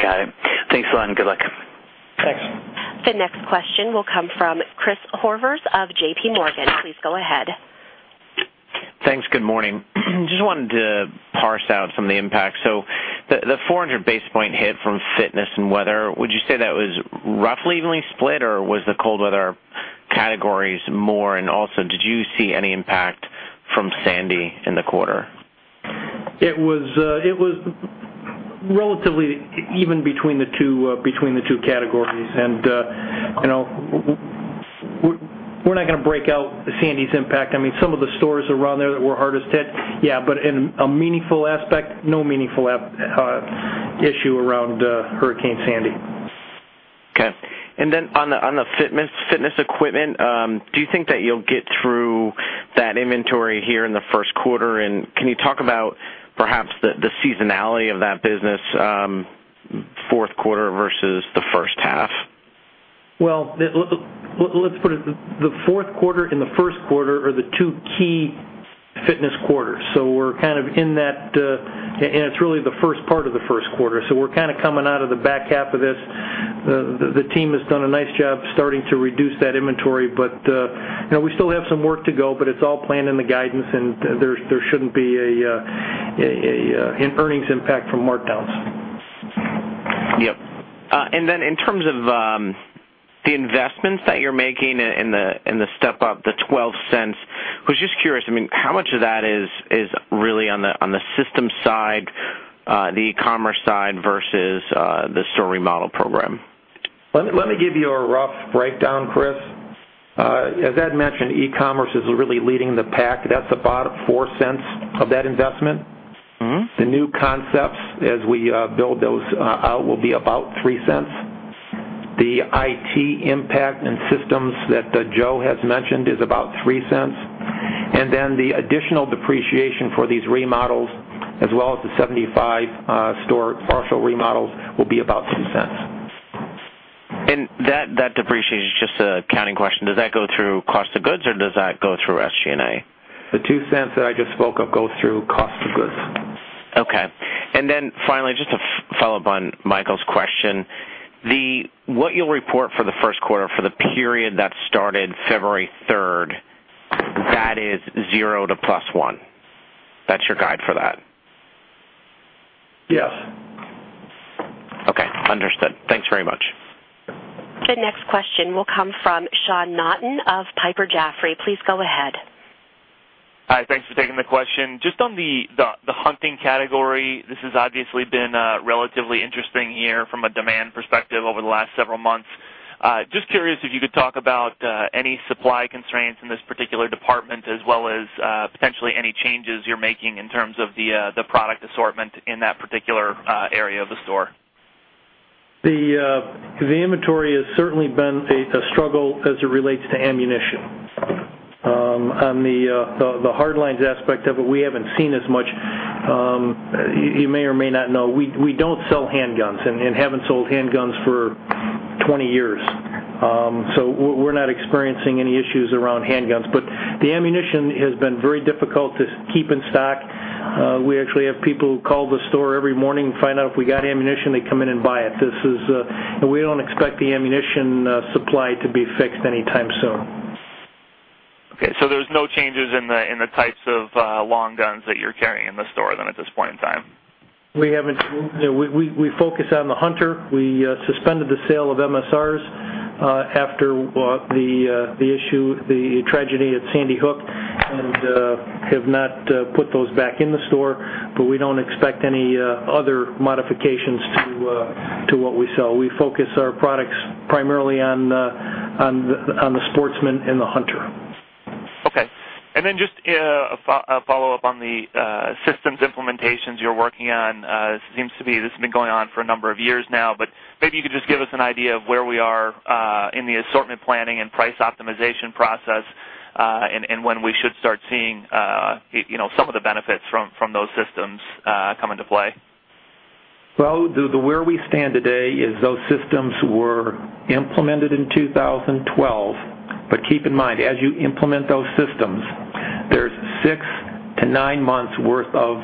Got it. Thanks a lot, and good luck.
Thanks.
The next question will come from Chris Horvers of J.P. Morgan. Please go ahead.
Thanks. Good morning. Just wanted to parse out some of the impact. The 400 basis point hit from fitness and weather, would you say that was roughly evenly split, or was the cold weather categories more? Did you see any impact from Hurricane Sandy in the quarter?
It was relatively even between the two categories. We're not going to break out Hurricane Sandy's impact. Some of the stores around there that were hardest hit, yeah. In a meaningful aspect, no meaningful issue around Hurricane Sandy.
Okay. On the fitness equipment, do you think that you'll get through that inventory here in the first quarter? Can you talk about what's the seasonality of that business, fourth quarter versus the first half?
Well, let's put it, the fourth quarter and the first quarter are the two key fitness quarters. We're kind of in that, and it's really the first part of the first quarter. We're kind of coming out of the back half of this. The team has done a nice job starting to reduce that inventory, but we still have some work to go, but it's all planned in the guidance, and there shouldn't be an earnings impact from markdowns.
Yep. In terms of the investments that you're making in the step-up, the $0.12, was just curious, how much of that is really on the systems side, the e-commerce side, versus the store remodel program?
Let me give you a rough breakdown, Chris. As Ed mentioned, e-commerce is really leading the pack. That's about $0.04 of that investment. The new concepts, as we build those out, will be about $0.03. The IT impact and systems that Joe has mentioned is about $0.03. The additional depreciation for these remodels, as well as the 75 store partial remodels, will be about $0.02.
That depreciation is just an accounting question. Does that go through cost of goods, or does that go through SG&A?
The $0.02 that I just spoke of goes through cost of goods.
Okay. Finally, just to follow up on Michael's question, what you'll report for the first quarter for the period that started February 3rd, that is zero to plus one. That's your guide for that.
Yes.
Okay. Understood. Thanks very much.
The next question will come from Sean Naughton of Piper Jaffray. Please go ahead.
Hi. Thanks for taking the question. Just on the hunting category, this has obviously been a relatively interesting year from a demand perspective over the last several months. Just curious if you could talk about any supply constraints in this particular department, as well as potentially any changes you're making in terms of the product assortment in that particular area of the store.
The inventory has certainly been a struggle as it relates to ammunition. On the hard lines aspect of it, we haven't seen as much. You may or may not know, we don't sell handguns and haven't sold handguns for 20 years. We're not experiencing any issues around handguns. The ammunition has been very difficult to keep in stock. We actually have people who call the store every morning and find out if we got ammunition, they come in and buy it. We don't expect the ammunition supply to be fixed anytime soon.
Okay, there's no changes in the types of long guns that you're carrying in the store then at this point in time.
We haven't. We focus on the hunter. We suspended the sale of MSRs after the tragedy at Sandy Hook, and have not put those back in the store, but we don't expect any other modifications to what we sell. We focus our products primarily on the sportsman and the hunter.
Okay. Then just a follow-up on the systems implementations you're working on. This has been going on for a number of years now, maybe you could just give us an idea of where we are in the assortment planning and price optimization process, and when we should start seeing some of the benefits from those systems come into play.
Where we stand today is those systems were implemented in 2012. Keep in mind, as you implement those systems, there's 6-9 months' worth of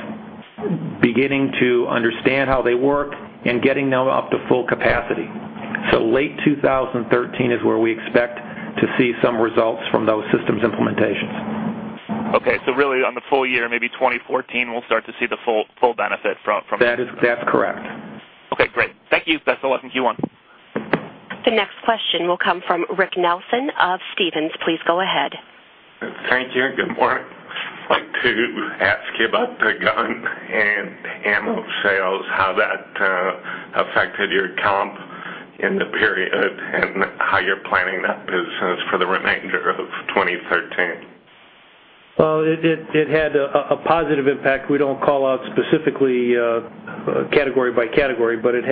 beginning to understand how they work and getting them up to full capacity. Late 2013 is where we expect to see some results from those systems implementations.
Okay, really on the full year, maybe 2014, we'll start to see the full benefit.
That's correct.
Okay, great. Thank you. That's all I think you want.
The next question will come from Rick Nelson of Stephens. Please go ahead.
Thank you. Good morning. I'd like to ask you about the gun and ammo sales, how that affected your comp in the period, and how you're planning that business for the remainder of 2013.
Well, it had a positive impact. We don't call out specifically category by category, but it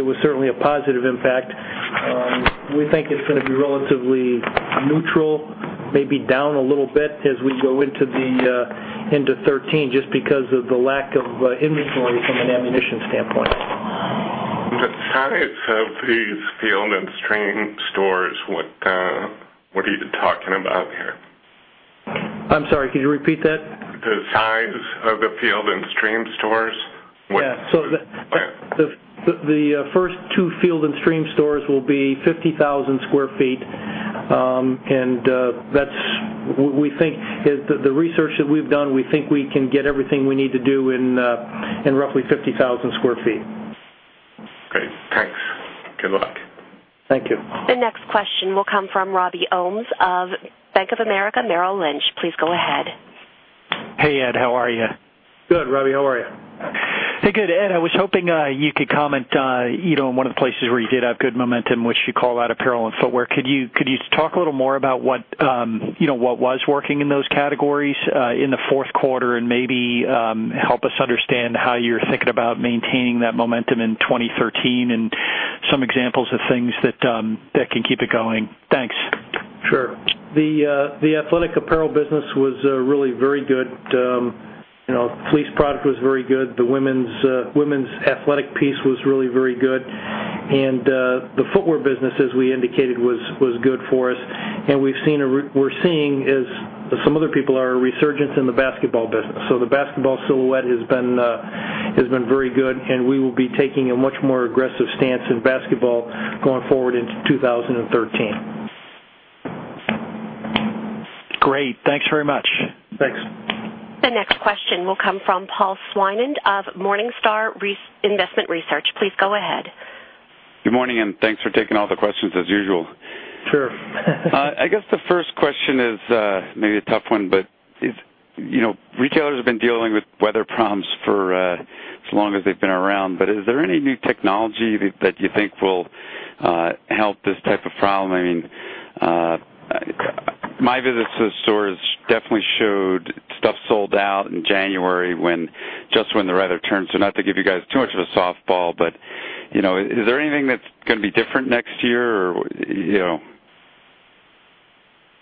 was certainly a positive impact. We think it's going to be relatively neutral, maybe down a little bit as we go into 2013, just because of the lack of inventory from an ammunition standpoint.
The size of these Field & Stream stores, what are you talking about here?
I'm sorry, could you repeat that?
The size of the Field & Stream stores.
Yeah. The first two Field & Stream stores will be 50,000 sq ft. The research that we've done, we think we can get everything we need to do in roughly 50,000 sq ft.
Great. Thanks. Good luck.
Thank you.
The next question will come from Robert Ohmes of Bank of America Merrill Lynch. Please go ahead.
Hey, Ed. How are you?
Good, Robbie. How are you?
Hey, good. Ed, I was hoping you could comment on one of the places where you did have good momentum, which you call out apparel and footwear. Could you talk a little more about what was working in those categories in the fourth quarter and maybe help us understand how you're thinking about maintaining that momentum in 2013 and some examples of things that can keep it going? Thanks.
Sure. The athletic apparel business was really very good. Fleece product was very good. The women's athletic piece was really very good. The footwear business, as we indicated, was good for us. We're seeing, as some other people are, a resurgence in the basketball business. The basketball silhouette has been very good, and we will be taking a much more aggressive stance in basketball going forward into 2013.
Great. Thanks very much.
Thanks.
The next question will come from Paul Swinand of Morningstar Investment Research. Please go ahead.
Good morning. Thanks for taking all the questions as usual.
Sure.
I guess the first question is maybe a tough one. Retailers have been dealing with weather problems for as long as they've been around, but is there any new technology that you think will help this type of problem? My visits to the stores definitely showed stuff sold out in January, just when the weather turned. Not to give you guys too much of a softball, but is there anything that's going to be different next year?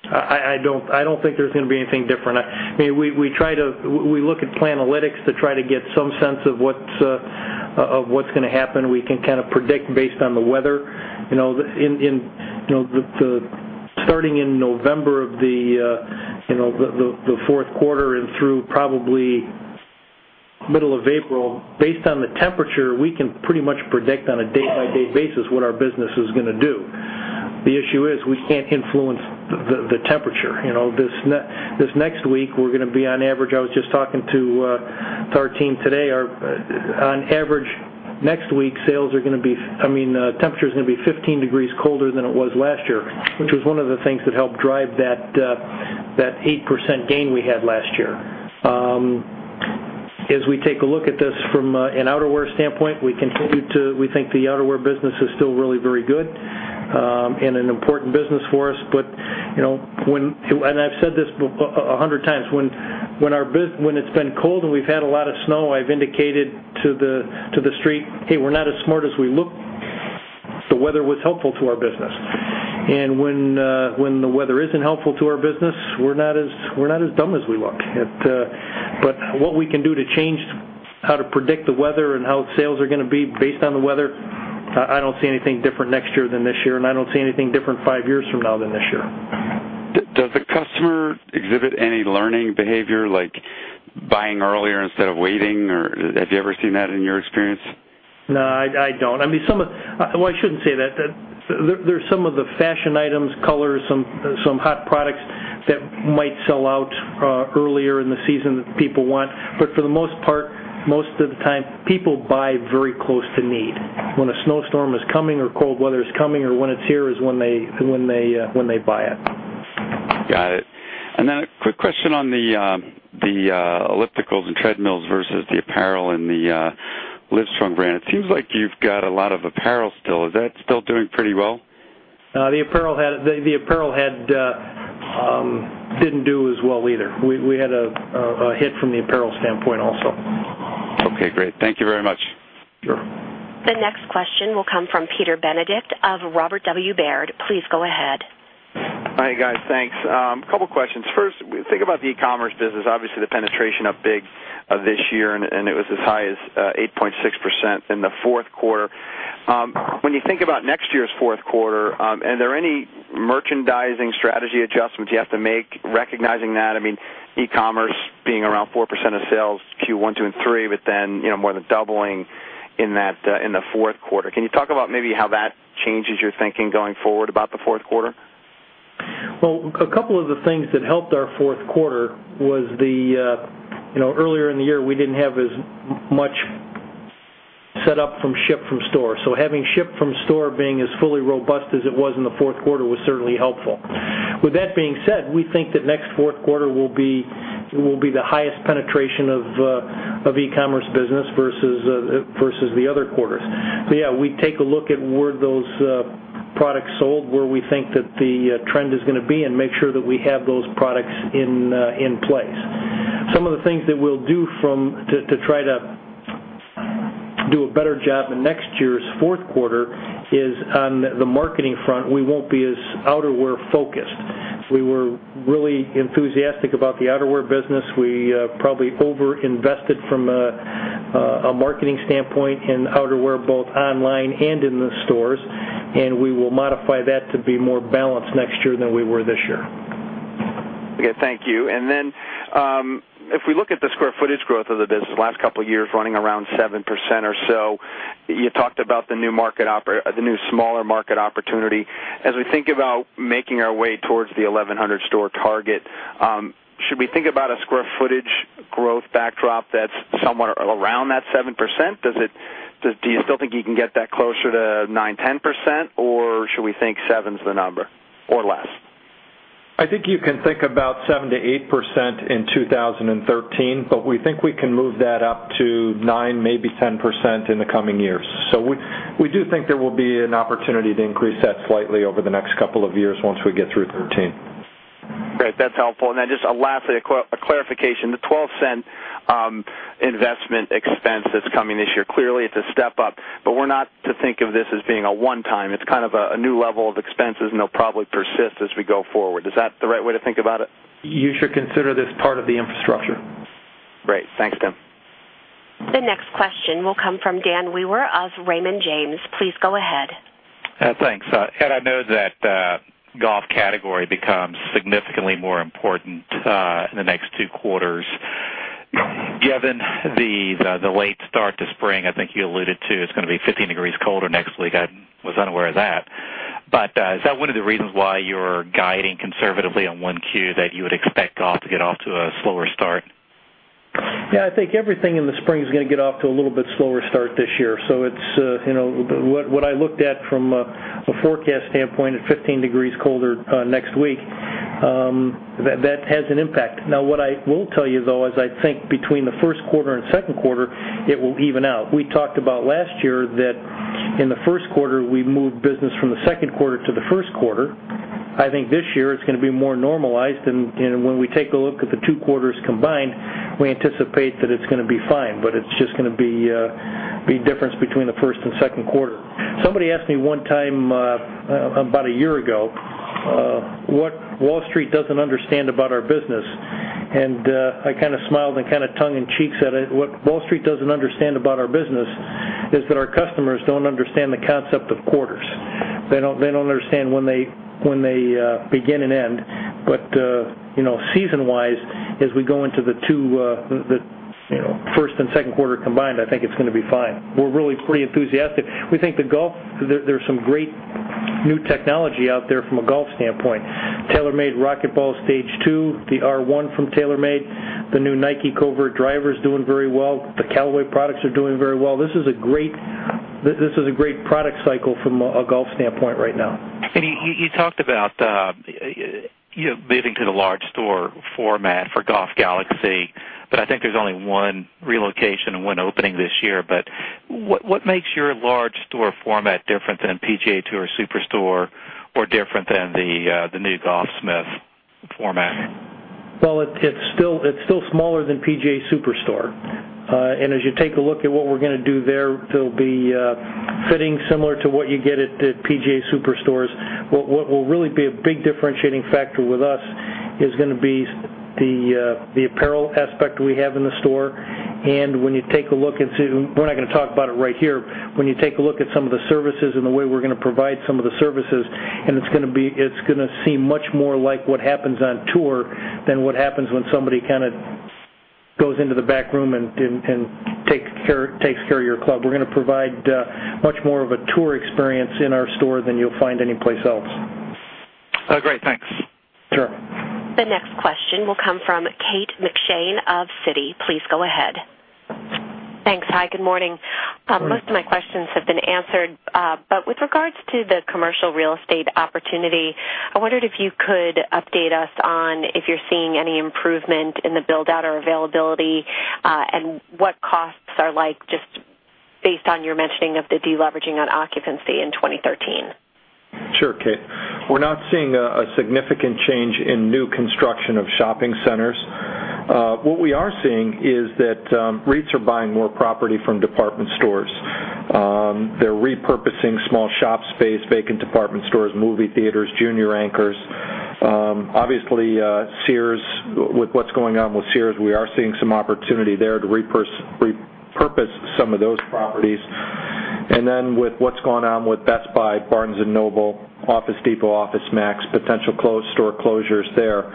I don't think there's going to be anything different. We look at Planalytics to try to get some sense of what's going to happen. We can kind of predict based on the weather. Starting in November of the fourth quarter and through probably middle of April, based on the temperature, we can pretty much predict on a day-by-day basis what our business is going to do. The issue is we can't influence the temperature. This next week, we're going to be on average. I was just talking to our team today. On average, next week, temperature's going to be 15 degrees colder than it was last year, which was one of the things that helped drive that 8% gain we had last year. As we take a look at this from an outerwear standpoint, we think the outerwear business is still really very good and an important business for us. I've said this 100 times. When it's been cold and we've had a lot of snow, I've indicated to the Street, "Hey, we're not as smart as we look. The weather was helpful to our business." When the weather isn't helpful to our business, we're not as dumb as we look. What we can do to change how to predict the weather and how sales are going to be based on the weather, I don't see anything different next year than this year, and I don't see anything different five years from now than this year.
Does the customer exhibit any learning behavior, like buying earlier instead of waiting, or have you ever seen that in your experience?
No, I don't. Well, I shouldn't say that. There's some of the fashion items, colors, some hot products that might sell out earlier in the season that people want. For the most part, most of the time, people buy very close to need. When a snowstorm is coming or cold weather is coming or when it's here is when they buy it.
Got it. Then a quick question on the ellipticals and treadmills versus the apparel and the Livestrong brand. It seems like you've got a lot of apparel still. Is that still doing pretty well?
The apparel didn't do as well either. We had a hit from the apparel standpoint also.
Okay, great. Thank you very much.
Sure.
The next question will come from Peter Benedict of Robert W. Baird. Please go ahead.
Hi, guys. Thanks. Couple questions. First, think about the e-commerce business. Obviously, the penetration up big this year, and it was as high as 8.6% in the fourth quarter. When you think about next year's fourth quarter, are there any merchandising strategy adjustments you have to make recognizing that? E-commerce being around 4% of sales Q1, two, and three, but then more than doubling in the fourth quarter. Can you talk about maybe how that changes your thinking going forward about the fourth quarter?
a couple of the things that helped our fourth quarter was earlier in the year, we didn't have as much set up from ship-from-store. Having ship-from-store being as fully robust as it was in the fourth quarter was certainly helpful. With that being said, we think that next fourth quarter will be the highest penetration of e-commerce business versus the other quarters. Yeah, we take a look at where those products sold, where we think that the trend is going to be, and make sure that we have those products in place. Some of the things that we'll do to try to do a better job in next year's fourth quarter is on the marketing front, we won't be as outerwear-focused. We were really enthusiastic about the outerwear business. We probably over-invested from a marketing standpoint in outerwear, both online and in the stores, and we will modify that to be more balanced next year than we were this year.
Okay, thank you. If we look at the square footage growth of the business last couple of years running around 7% or so, you talked about the new smaller market opportunity. As we think about making our way towards the 1,100-store target, should we think about a square footage growth backdrop that's somewhere around that 7%? Do you still think you can get that closer to 9%, 10%, or should we think seven's the number or less?
I think you can think about 7%-8% in 2013, but we think we can move that up to 9%, maybe 10% in the coming years. We do think there will be an opportunity to increase that slightly over the next couple of years once we get through 2013.
Great. That's helpful. Then just lastly, a clarification. The $0.12 investment expense that's coming this year, clearly, it's a step up, but we're not to think of this as being a one-time. It's a new level of expenses, and it'll probably persist as we go forward. Is that the right way to think about it?
You should consider this part of the infrastructure.
Great. Thanks, Tim.
The next question will come from Daniel Weaver of Raymond James. Please go ahead.
Thanks. Ed, I know that golf category becomes significantly more important in the next two quarters, given the late start to spring, I think you alluded to, it's going to be 15 degrees colder next week. I was unaware of that. Is that one of the reasons why you're guiding conservatively on 1Q, that you would expect golf to get off to a slower start?
Yeah, I think everything in the spring is going to get off to a little bit slower start this year. What I looked at from a forecast standpoint at 15 degrees colder next week, that has an impact. What I will tell you, though, is I think between the first quarter and second quarter, it will even out. We talked about last year that in the first quarter, we moved business from the second quarter to the first quarter. I think this year it's going to be more normalized, and when we take a look at the two quarters combined, we anticipate that it's going to be fine, but it's just going to be difference between the first and second quarter. Somebody asked me one time, about a year ago, what Wall Street doesn't understand about our business, and I kind of smiled and kind of tongue in cheek said, what Wall Street doesn't understand about our business is that our customers don't understand the concept of quarters. They don't understand when they begin and end. Season-wise, as we go into the first and second quarter combined, I think it's going to be fine. We're really pretty enthusiastic. We think the golf, there's some great new technology out there from a golf standpoint. TaylorMade RocketBallz Stage 2, the R1 from TaylorMade, the new Nike Covert driver is doing very well. The Callaway products are doing very well. This is a great product cycle from a golf standpoint right now.
You talked about moving to the large store format for Golf Galaxy, but I think there's only one relocation and one opening this year. What makes your large store format different than a PGA TOUR Superstore or different than the new Golfsmith format?
Well, it's still smaller than PGA TOUR Superstore. As you take a look at what we're going to do there'll be fitting similar to what you get at the PGA TOUR Superstores. What will really be a big differentiating factor with us is going to be the apparel aspect we have in the store. When you take a look into, we're not going to talk about it right here, when you take a look at some of the services and the way we're going to provide some of the services, it's going to seem much more like what happens on tour than what happens when somebody goes into the back room and takes care of your club. We're going to provide much more of a tour experience in our store than you'll find anyplace else.
Great, thanks.
Sure.
The next question will come from Kate McShane of Citi. Please go ahead.
Thanks. Hi, good morning.
Good morning.
Most of my questions have been answered. With regards to the commercial real estate opportunity, I wondered if you could update us on if you're seeing any improvement in the build-out or availability, and what costs are like, just based on your mentioning of the deleveraging on occupancy in 2013.
Sure, Kate. We're not seeing a significant change in new construction of shopping centers. What we are seeing is that REITs are buying more property from department stores. They're repurposing small shop space, vacant department stores, movie theaters, junior anchors. Obviously, Sears, with what's going on with Sears, we are seeing some opportunity there to repurpose some of those properties. With what's going on with Best Buy, Barnes & Noble, Office Depot, OfficeMax, potential store closures there.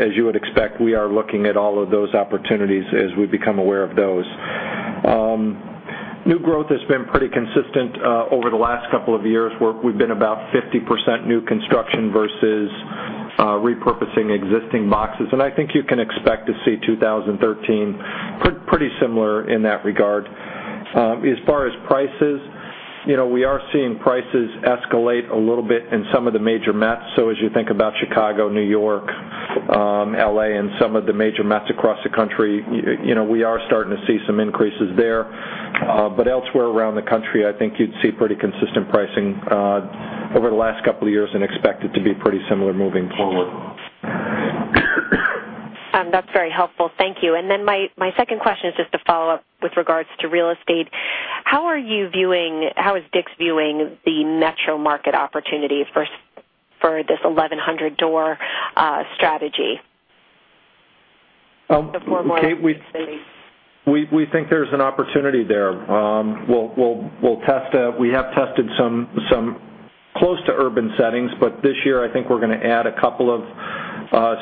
As you would expect, we are looking at all of those opportunities as we become aware of those. New growth has been pretty consistent over the last couple of years, where we've been about 50% new construction versus repurposing existing boxes. I think you can expect to see 2013 pretty similar in that regard. As far as prices, we are seeing prices escalate a little bit in some of the major metros. As you think about Chicago, New York, L.A., and some of the major metros across the country, we are starting to see some increases there. Elsewhere around the country, I think you'd see pretty consistent pricing over the last couple of years and expect it to be pretty similar moving forward.
That's very helpful. Thank you. Then my second question is just a follow-up with regards to real estate. How is DICK'S viewing the metro market opportunity for this 1,100-door strategy? The four walls basically.
Kate, we think there's an opportunity there. We have tested some close to urban settings, but this year I think we're going to add a couple of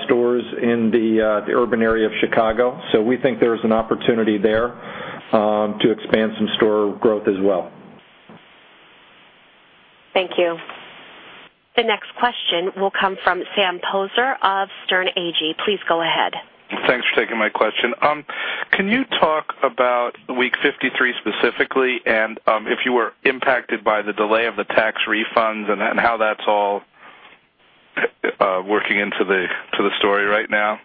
stores in the urban area of Chicago. We think there's an opportunity there to expand some store growth as well.
Thank you.
The next question will come from Sam Poser of Sterne Agee. Please go ahead.
Thanks for taking my question. Can you talk about week 53 specifically, and if you were impacted by the delay of the tax refunds and how that's all working into the story right now?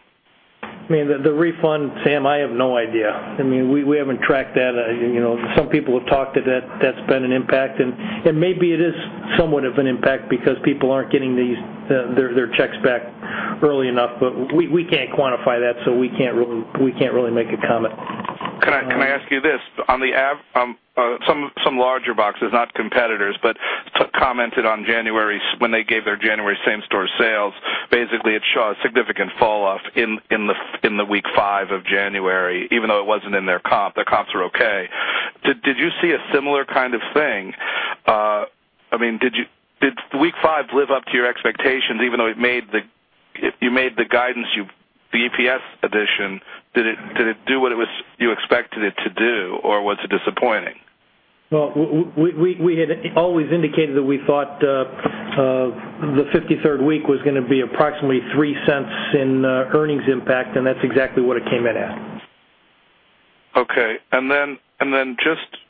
The refund, Sam, I have no idea. We haven't tracked that. Some people have talked that that's been an impact, and maybe it is somewhat of an impact because people aren't getting their checks back early enough. We can't quantify that, so we can't really make a comment.
Can I ask you this? Some larger boxes, not competitors, but commented when they gave their January same-store sales. Basically, it shows significant falloff in the week 5 of January, even though it wasn't in their comp. The comps were okay. Did you see a similar kind of thing? Did week 5 live up to your expectations even though you made the guidance, the EPS addition? Did it do what you expected it to do, or was it disappointing?
Well, we had always indicated that we thought the 53rd week was going to be approximately $0.03 in earnings impact, and that's exactly what it came in at. Okay.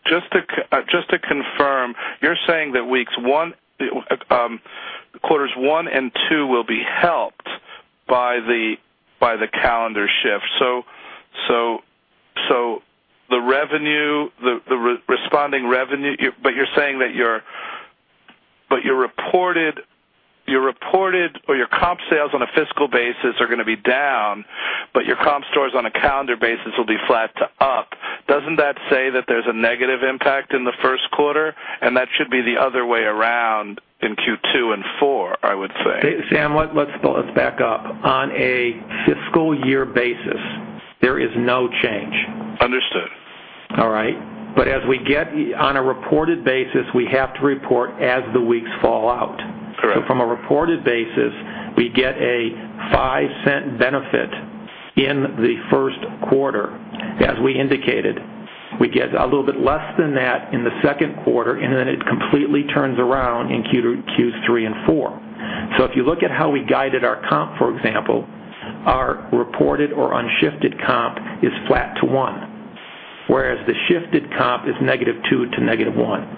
Just to confirm, you're saying that quarters 1 and 2 will be helped by the calendar shift. You're saying that your reported or your comp sales on a fiscal basis are going to be down, but your comp stores on a calendar basis will be flat to up. Doesn't that say that there's a negative impact in the first quarter, and that should be the other way around in Q2 and 4, I would say. Sam, let's back up. On a fiscal year basis, there is no change. Understood. All right. On a reported basis, we have to report as the weeks fall out. Correct. From a reported basis, we get a $0.05 benefit in the first quarter. As we indicated, we get a little bit less than that in the second quarter, and then it completely turns around in Q3 and 4. If you look at how we guided our comp, for example, our reported or unshifted comp is flat to 1, whereas the shifted comp is negative 2 to negative 1.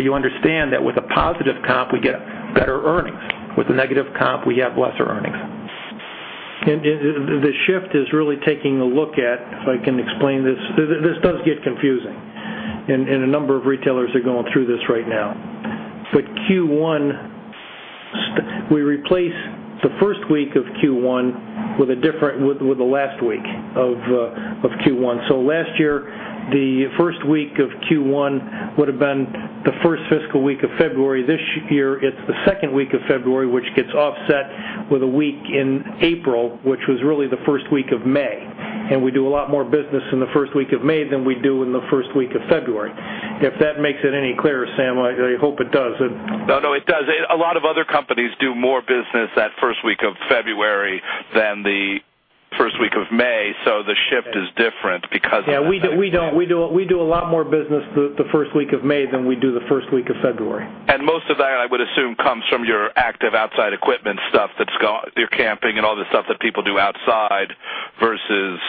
You understand that with a positive comp, we get better earnings. With a negative comp, we have lesser earnings. The shift is really taking a look at, if I can explain this. This does get confusing, and a number of retailers are going through this right now. With Q1, we replace the first week of Q1 with the last week of Q1. Last year, the first week of Q1 would've been the first fiscal week of February. This year, it's the second week of February, which gets offset with a week in April, which was really the first week of May. We do a lot more business in the first week of May than we do in the first week of February. If that makes it any clearer, Sam. I hope it does. No, it does. A lot of other companies do more business that first week of February than the first week of May, so the shift is different because of that. Yeah. We do a lot more business the first week of May than we do the first week of February. Most of that, I would assume, comes from your active outside equipment stuff, your camping and all the stuff that people do outside versus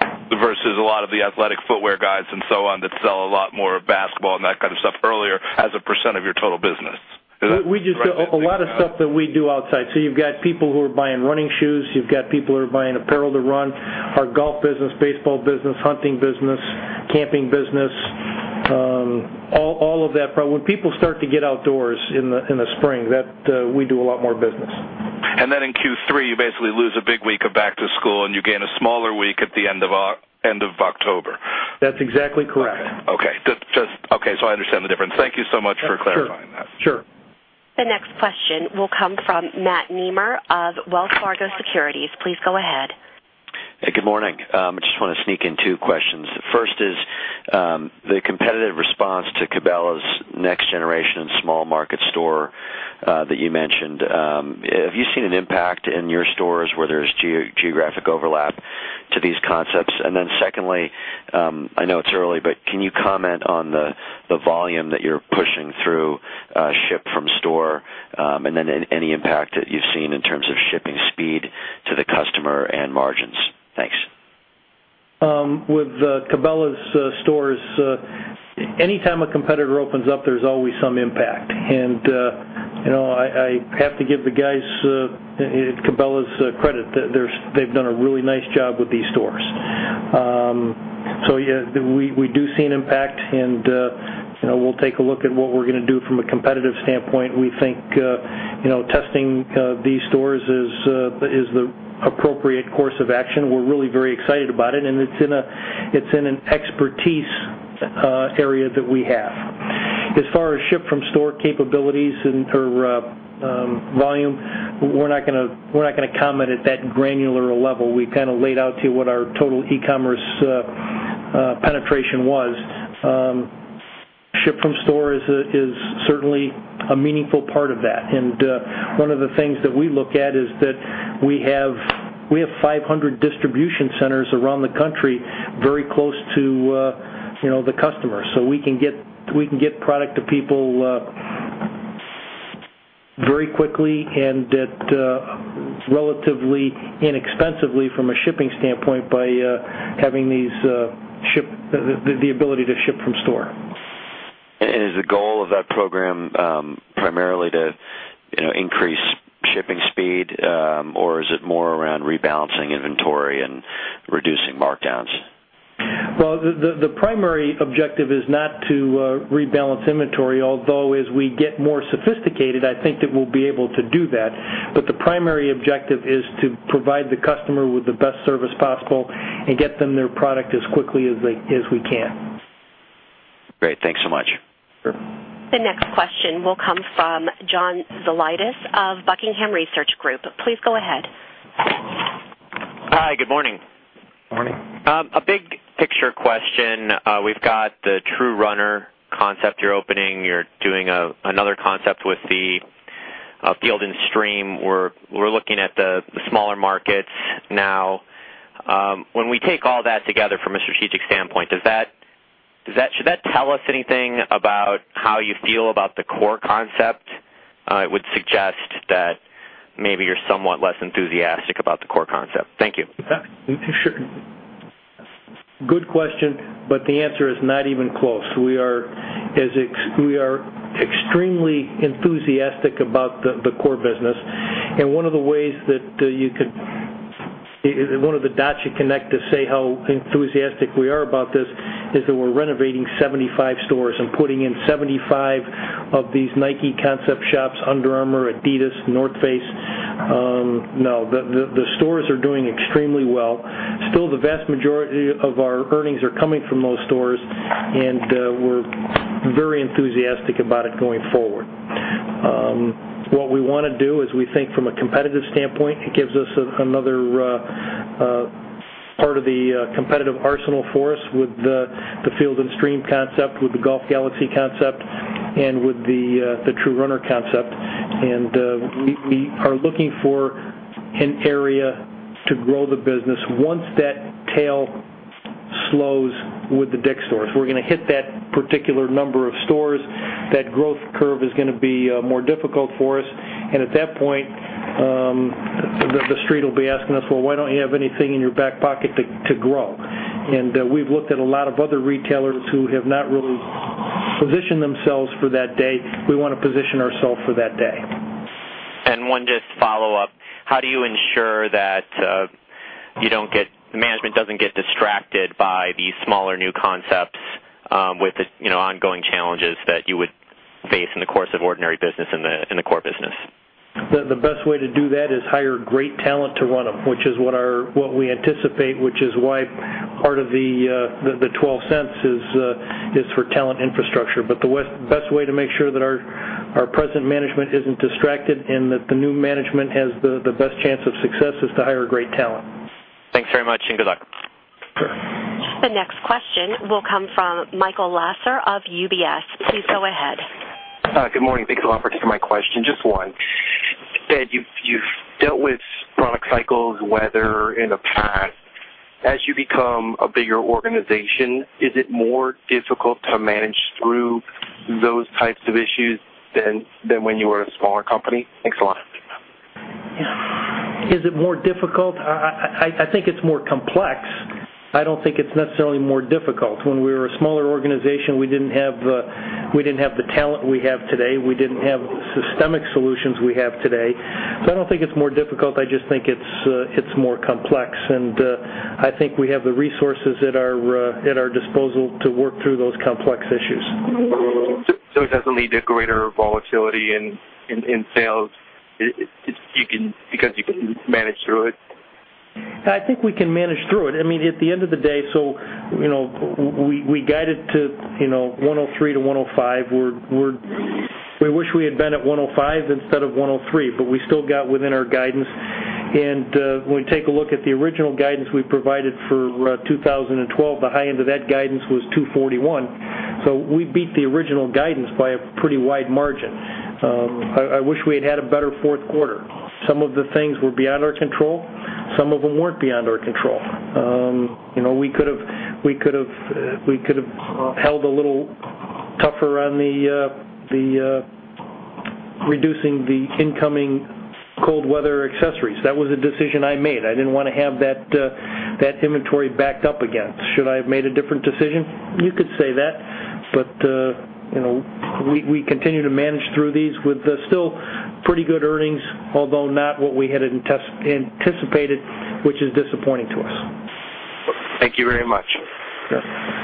a lot of the athletic footwear guys and so on that sell a lot more basketball and that kind of stuff earlier as a % of your total business. Is that correct in thinking that? A lot of stuff that we do outside. You've got people who are buying running shoes. You've got people who are buying apparel to run. Our golf business, baseball business, hunting business, camping business. All of that. When people start to get outdoors in the spring, we do a lot more business. Then in Q3, you basically lose a big week of back to school, and you gain a smaller week at the end of October. That's exactly correct. Okay. I understand the difference. Thank you so much for clarifying that. Sure.
The next question will come from Matt Nemer of Wells Fargo Securities. Please go ahead.
Hey, good morning. I just want to sneak in two questions. First is, the competitive response to Cabela's next generation small market store that you mentioned. Have you seen an impact in your stores where there's geographic overlap to these concepts? Secondly, I know it's early, but can you comment on the volume that you're pushing through ship-from-store, any impact that you've seen in terms of shipping speed to the customer and margins. Thanks.
With Cabela's stores, anytime a competitor opens up, there's always some impact. I have to give the guys at Cabela's credit. They've done a really nice job with these stores. Yeah, we do see an impact and we'll take a look at what we're going to do from a competitive standpoint. We think testing these stores is the appropriate course of action. We're really very excited about it's in an expertise area that we have. As far as ship-from-store capabilities and for volume, we're not going to comment at that granular level. We laid out to you what our total e-commerce penetration was. Ship-from-store is certainly a meaningful part of that. One of the things that we look at is that we have 500 distribution centers around the country very close to the customer. We can get product to people very quickly and at relatively inexpensively from a shipping standpoint by having the ability to ship-from-store.
Is the goal of that program primarily to increase shipping speed, or is it more around rebalancing inventory and reducing markdowns?
The primary objective is not to rebalance inventory, although as we get more sophisticated, I think that we'll be able to do that. The primary objective is to provide the customer with the best service possible and get them their product as quickly as we can.
Great. Thanks so much.
Sure.
The next question will come from John Zolidis of Buckingham Research Group. Please go ahead.
Hi, good morning.
Morning.
A big picture question. We've got the True Runner concept you're opening. You're doing another concept with the Field & Stream. We're looking at the smaller markets now. When we take all that together from a strategic standpoint, should that tell us anything about how you feel about the core concept? It would suggest that maybe you're somewhat less enthusiastic about the core concept. Thank you.
Sure. Good question, but the answer is not even close. We are extremely enthusiastic about the core business, one of the dots you connect to say how enthusiastic we are about this is that we're renovating 75 stores and putting in 75 of these Nike concept shops, Under Armour, Adidas, North Face. No, the stores are doing extremely well. Still the vast majority of our earnings are coming from those stores, and we're very enthusiastic about it going forward. What we want to do is we think from a competitive standpoint, it gives us another part of the competitive arsenal for us with the Field & Stream concept, with the Golf Galaxy concept, and with the True Runner concept. We are looking for an area to grow the business once that tail slows with the DICK'S stores. We're going to hit that particular number of stores. That growth curve is going to be more difficult for us. At that point, the Street will be asking us, "Well, why don't you have anything in your back pocket to grow?" We've looked at a lot of other retailers who have not really positioned themselves for that day. We want to position ourselves for that day.
One just follow-up. How do you ensure that management doesn't get distracted by these smaller new concepts with the ongoing challenges that you would face in the course of ordinary business in the core business?
The best way to do that is hire great talent to run them, which is what we anticipate, which is why part of the $0.12 is for talent infrastructure. The best way to make sure that our present management isn't distracted and that the new management has the best chance of success is to hire great talent.
Thanks very much and good luck.
Sure.
The next question will come from Michael Lasser of UBS. Please go ahead.
Hi. Good morning. Thanks a lot for taking my question. Just one. Ed, you've dealt with product cycles, weather in the past. As you become a bigger organization, is it more difficult to manage through those types of issues than when you were a smaller company? Thanks a lot.
Is it more complex. I don't think it's necessarily more difficult. When we were a smaller organization, we didn't have the talent we have today. We didn't have systemic solutions we have today. I don't think it's more difficult. I just think it's more complex, and I think we have the resources at our disposal to work through those complex issues.
It doesn't lead to greater volatility in sales because you can manage through it?
I think we can manage through it. At the end of the day, we guided to $103 to $105. We wish we had been at $105 instead of $103, but we still got within our guidance. When we take a look at the original guidance we provided for 2012, the high end of that guidance was $241. We beat the original guidance by a pretty wide margin. I wish we had had a better fourth quarter. Some of the things were beyond our control. Some of them weren't beyond our control. We could have held a little tougher on reducing the incoming cold weather accessories. That was a decision I made. I didn't want to have that inventory backed up again. Should I have made a different decision? You could say that, we continue to manage through these with still pretty good earnings, although not what we had anticipated, which is disappointing to us.
Thank you very much.
Sure.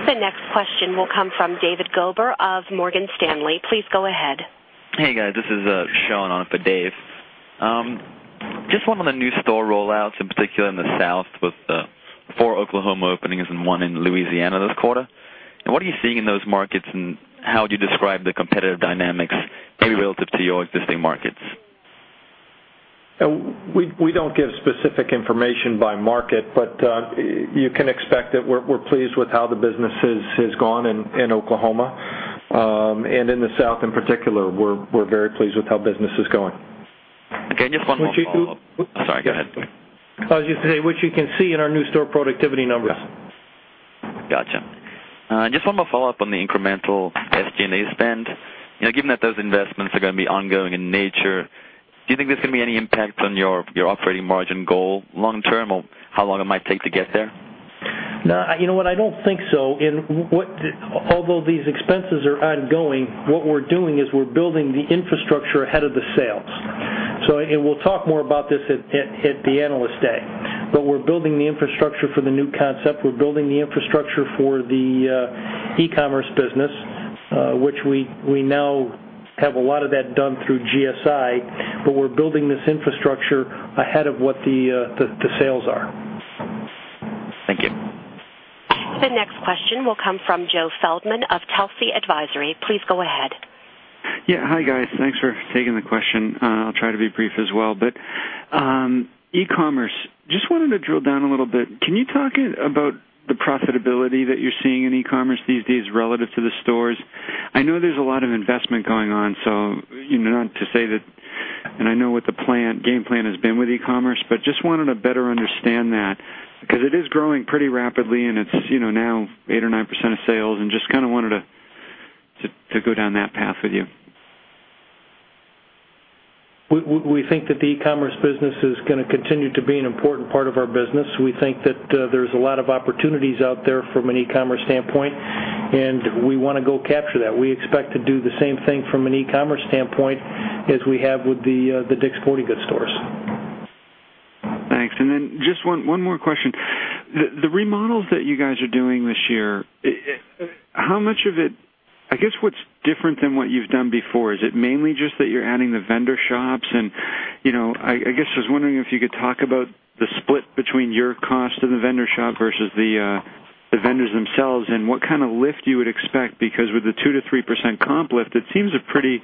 The next question will come from David Gober of Morgan Stanley. Please go ahead.
Hey, guys. This is Sean on for Dave. Just one on the new store rollouts, in particular in the South with the four Oklahoma openings and one in Louisiana this quarter. What are you seeing in those markets and how do you describe the competitive dynamics relative to your existing markets?
We don't give specific information by market. You can expect that we're pleased with how the business has gone in Oklahoma. In the South in particular, we're very pleased with how business is going.
Okay, just one more follow-up. Sorry, go ahead.
I was just going to say, which you can see in our new store productivity numbers.
Got you. Just one more follow-up on the incremental SG&A spend. Given that those investments are going to be ongoing in nature, do you think there's going to be any impact on your operating margin goal long term, or how long it might take to get there?
No, you know what? I don't think so. Although these expenses are ongoing, what we're doing is we're building the infrastructure ahead of the sales. We'll talk more about this at the Analyst Day, but we're building the infrastructure for the new concept. We're building the infrastructure for the e-commerce business, which we now have a lot of that done through GSI. We're building this infrastructure ahead of what the sales are.
Thank you.
The next question will come from Joe Feldman of Telsey Advisory. Please go ahead.
Yeah. Hi, guys. Thanks for taking the question. I'll try to be brief as well. E-commerce, just wanted to drill down a little bit. Can you talk about the profitability that you're seeing in e-commerce these days relative to the stores? I know there's a lot of investment going on, and I know what the game plan has been with e-commerce, but just wanted to better understand that because it is growing pretty rapidly, and it's now 8% or 9% of sales and just kind of wanted to go down that path with you.
We think that the e-commerce business is going to continue to be an important part of our business. We think that there's a lot of opportunities out there from an e-commerce standpoint, and we want to go capture that. We expect to do the same thing from an e-commerce standpoint as we have with the DICK'S Sporting Goods stores.
Thanks. Just one more question. The remodels that you guys are doing this year, I guess what's different than what you've done before, is it mainly just that you're adding the vendor shops and I guess, just wondering if you could talk about the split between your cost of the vendor shop versus the vendors themselves and what kind of lift you would expect, because with the 2%-3% comp lift, it seems a pretty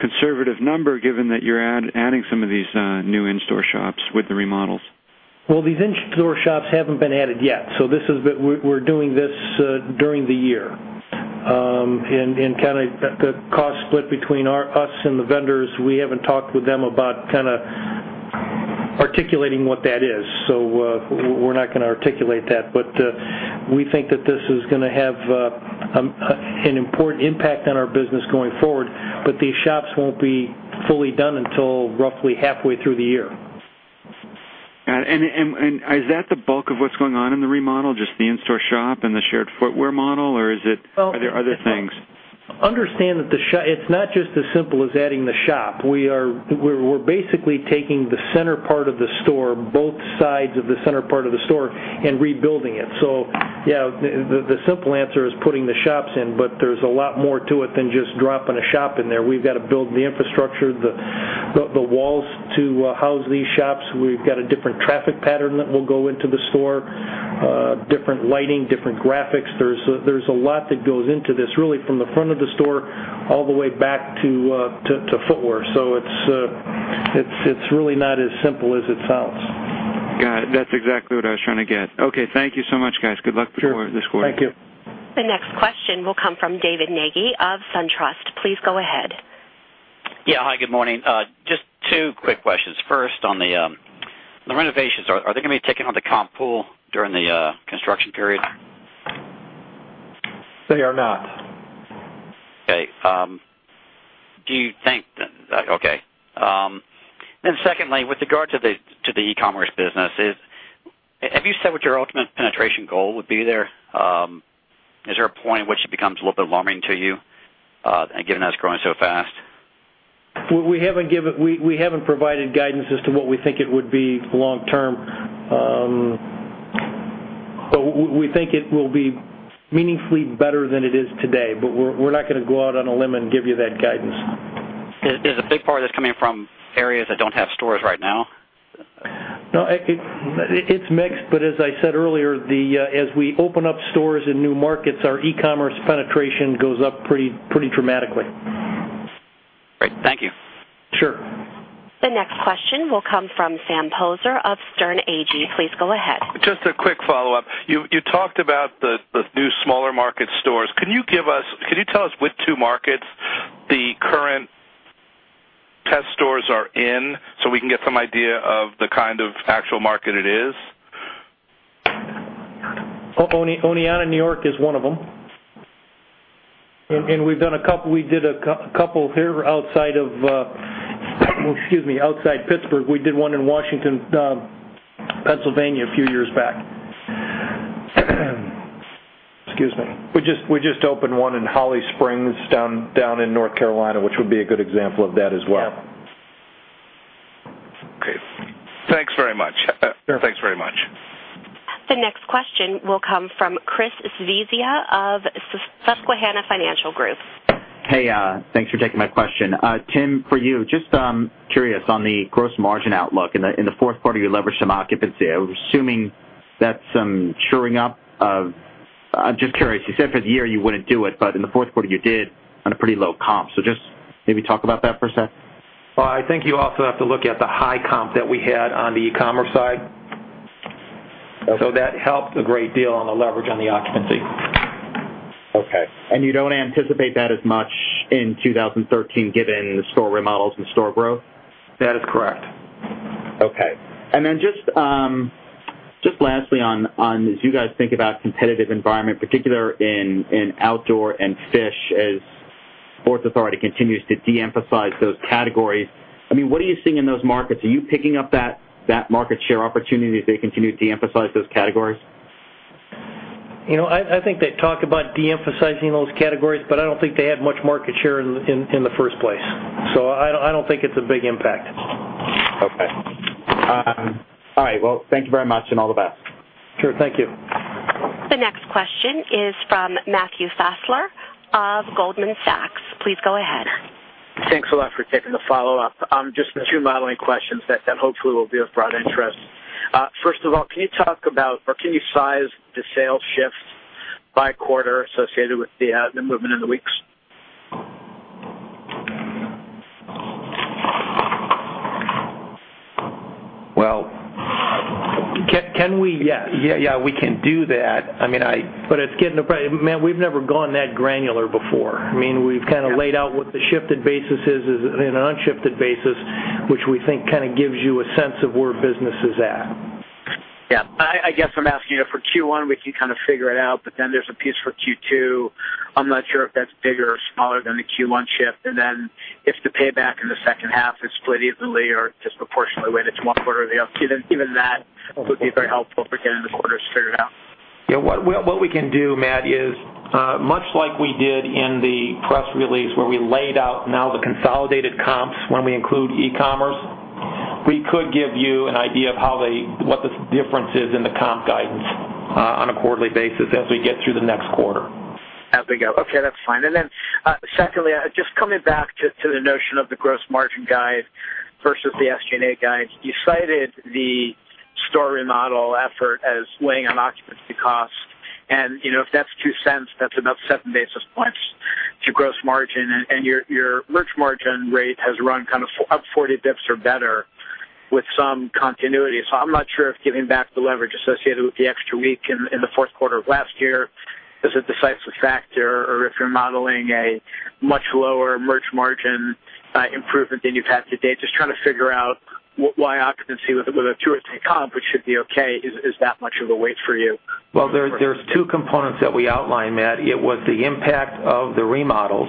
conservative number given that you're adding some of these new in-store shops with the remodels.
These in-store shops haven't been added yet. We're doing this during the year. The cost split between us and the vendors, we haven't talked with them about articulating what that is. We're not going to articulate that. We think that this is going to have an important impact on our business going forward. These shops won't be fully done until roughly halfway through the year.
Got it. Is that the bulk of what's going on in the remodel, just the in-store shop and the shared footwear model, or are there other things?
Understand that it's not just as simple as adding the shop. We're basically taking the center part of the store, both sides of the center part of the store, and rebuilding it. Yeah, the simple answer is putting the shops in, but there's a lot more to it than just dropping a shop in there. We've got to build the infrastructure, the walls to house these shops. We've got a different traffic pattern that will go into the store, different lighting, different graphics. There's a lot that goes into this, really from the front of the store all the way back to footwear. It's really not as simple as it sounds.
Got it. That's exactly what I was trying to get. Okay, thank you so much, guys. Good luck-
Sure.
-with the quarter.
Thank you.
The next question will come from David Magee of SunTrust. Please go ahead.
Yeah. Hi, good morning. Just two quick questions. First, on the renovations, are they going to be taken on the comp pool during the construction period?
They are not.
Okay. Secondly, with regard to the e-commerce business, have you said what your ultimate penetration goal would be there? Is there a point at which it becomes a little bit alarming to you, given that it's growing so fast?
We haven't provided guidance as to what we think it would be long term. We think it will be meaningfully better than it is today, but we're not going to go out on a limb and give you that guidance.
Is a big part of this coming from areas that don't have stores right now?
No, it's mixed but as I said earlier, as we open up stores in new markets, our e-commerce penetration goes up pretty dramatically.
Great. Thank you.
Sure.
The next question will come from Sam Poser of Sterne Agee. Please go ahead.
Just a quick follow-up. You talked about the new smaller market stores. Can you tell us which two markets the current test stores are in so we can get some idea of the kind of actual market it is?
Oneonta, New York is one of them. We did a couple here outside Pittsburgh. We did one in Washington, Pennsylvania, a few years back. Excuse me.
We just opened one in Holly Springs down in North Carolina, which would be a good example of that as well.
Yep. Okay. Thanks very much.
Sure.
Thanks very much.
The next question will come from Chris Svezia of Susquehanna Financial Group.
Hey, thanks for taking my question. Tim, for you, just curious on the gross margin outlook. In the fourth quarter, you leveraged some occupancy. I'm just curious, you said for the year you wouldn't do it, but in the fourth quarter, you did on a pretty low comp. Just maybe talk about that for a sec.
Well, I think you also have to look at the high comp that we had on the e-commerce side. Okay. That helped a great deal on the leverage on the occupancy. Okay. You don't anticipate that as much in 2013 given the store remodels and store growth? That is correct. Okay. Then just lastly, as you guys think about competitive environment, particular in outdoor and fish, as Sports Authority continues to de-emphasize those categories. What are you seeing in those markets? Are you picking up that market share opportunity as they continue to de-emphasize those categories?
I think they talk about de-emphasizing those categories, but I don't think they had much market share in the first place. I don't think it's a big impact.
Okay. All right. Thank you very much, and all the best.
Sure. Thank you.
The next question is from Matthew Fassler of Goldman Sachs. Please go ahead.
Thanks a lot for taking the follow-up. Just two modeling questions that hopefully will be of broad interest. First of all, can you talk about or can you size the sales shift by quarter associated with the movement in the weeks?
Well, can we?
Yeah, we can do that.
Matt, we've never gone that granular before. We've laid out what the shifted basis is and unshifted basis, which we think gives you a sense of where business is at.
Yeah. I guess I'm asking you for Q1, we can figure it out, there's a piece for Q2. I'm not sure if that's bigger or smaller than the Q1 shift. If the payback in the second half is split evenly or disproportionately weighted to one quarter or the other. Even that would be very helpful for getting the quarters figured out.
What we can do, Matt, is, much like we did in the press release where we laid out now the consolidated comps when we include e-commerce, we could give you an idea of what the difference is in the comp guidance on a quarterly basis as we get through the next quarter.
There we go. Okay, that's fine. Secondly, just coming back to the notion of the gross margin guide versus the SG&A guide. You cited the store remodel effort as weighing on occupancy cost. If that's $0.02, that's about seven basis points to gross margin and your merch margin rate has run up 40 bips or better with some continuity. I'm not sure if giving back the leverage associated with the extra week in the fourth quarter of last year is a decisive factor, or if you're modeling a much lower merch margin improvement than you've had to date. Just trying to figure out why occupancy with a two or three comp, which should be okay, is that much of a weight for you.
Well, there's two components that we outlined, Matt. It was the impact of the remodels,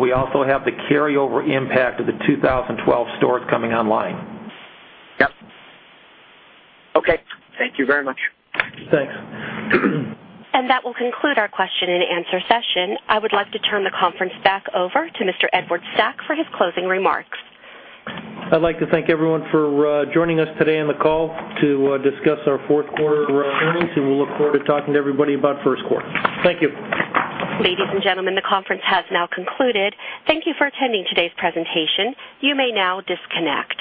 we also have the carryover impact of the 2012 stores coming online.
Yep. Okay. Thank you very much.
Thanks.
That will conclude our question and answer session. I would like to turn the conference back over to Mr. Edward Stack for his closing remarks.
I'd like to thank everyone for joining us today on the call to discuss our fourth quarter earnings, and we'll look forward to talking to everybody about first quarter. Thank you.
Ladies and gentlemen, the conference has now concluded. Thank you for attending today's presentation. You may now disconnect.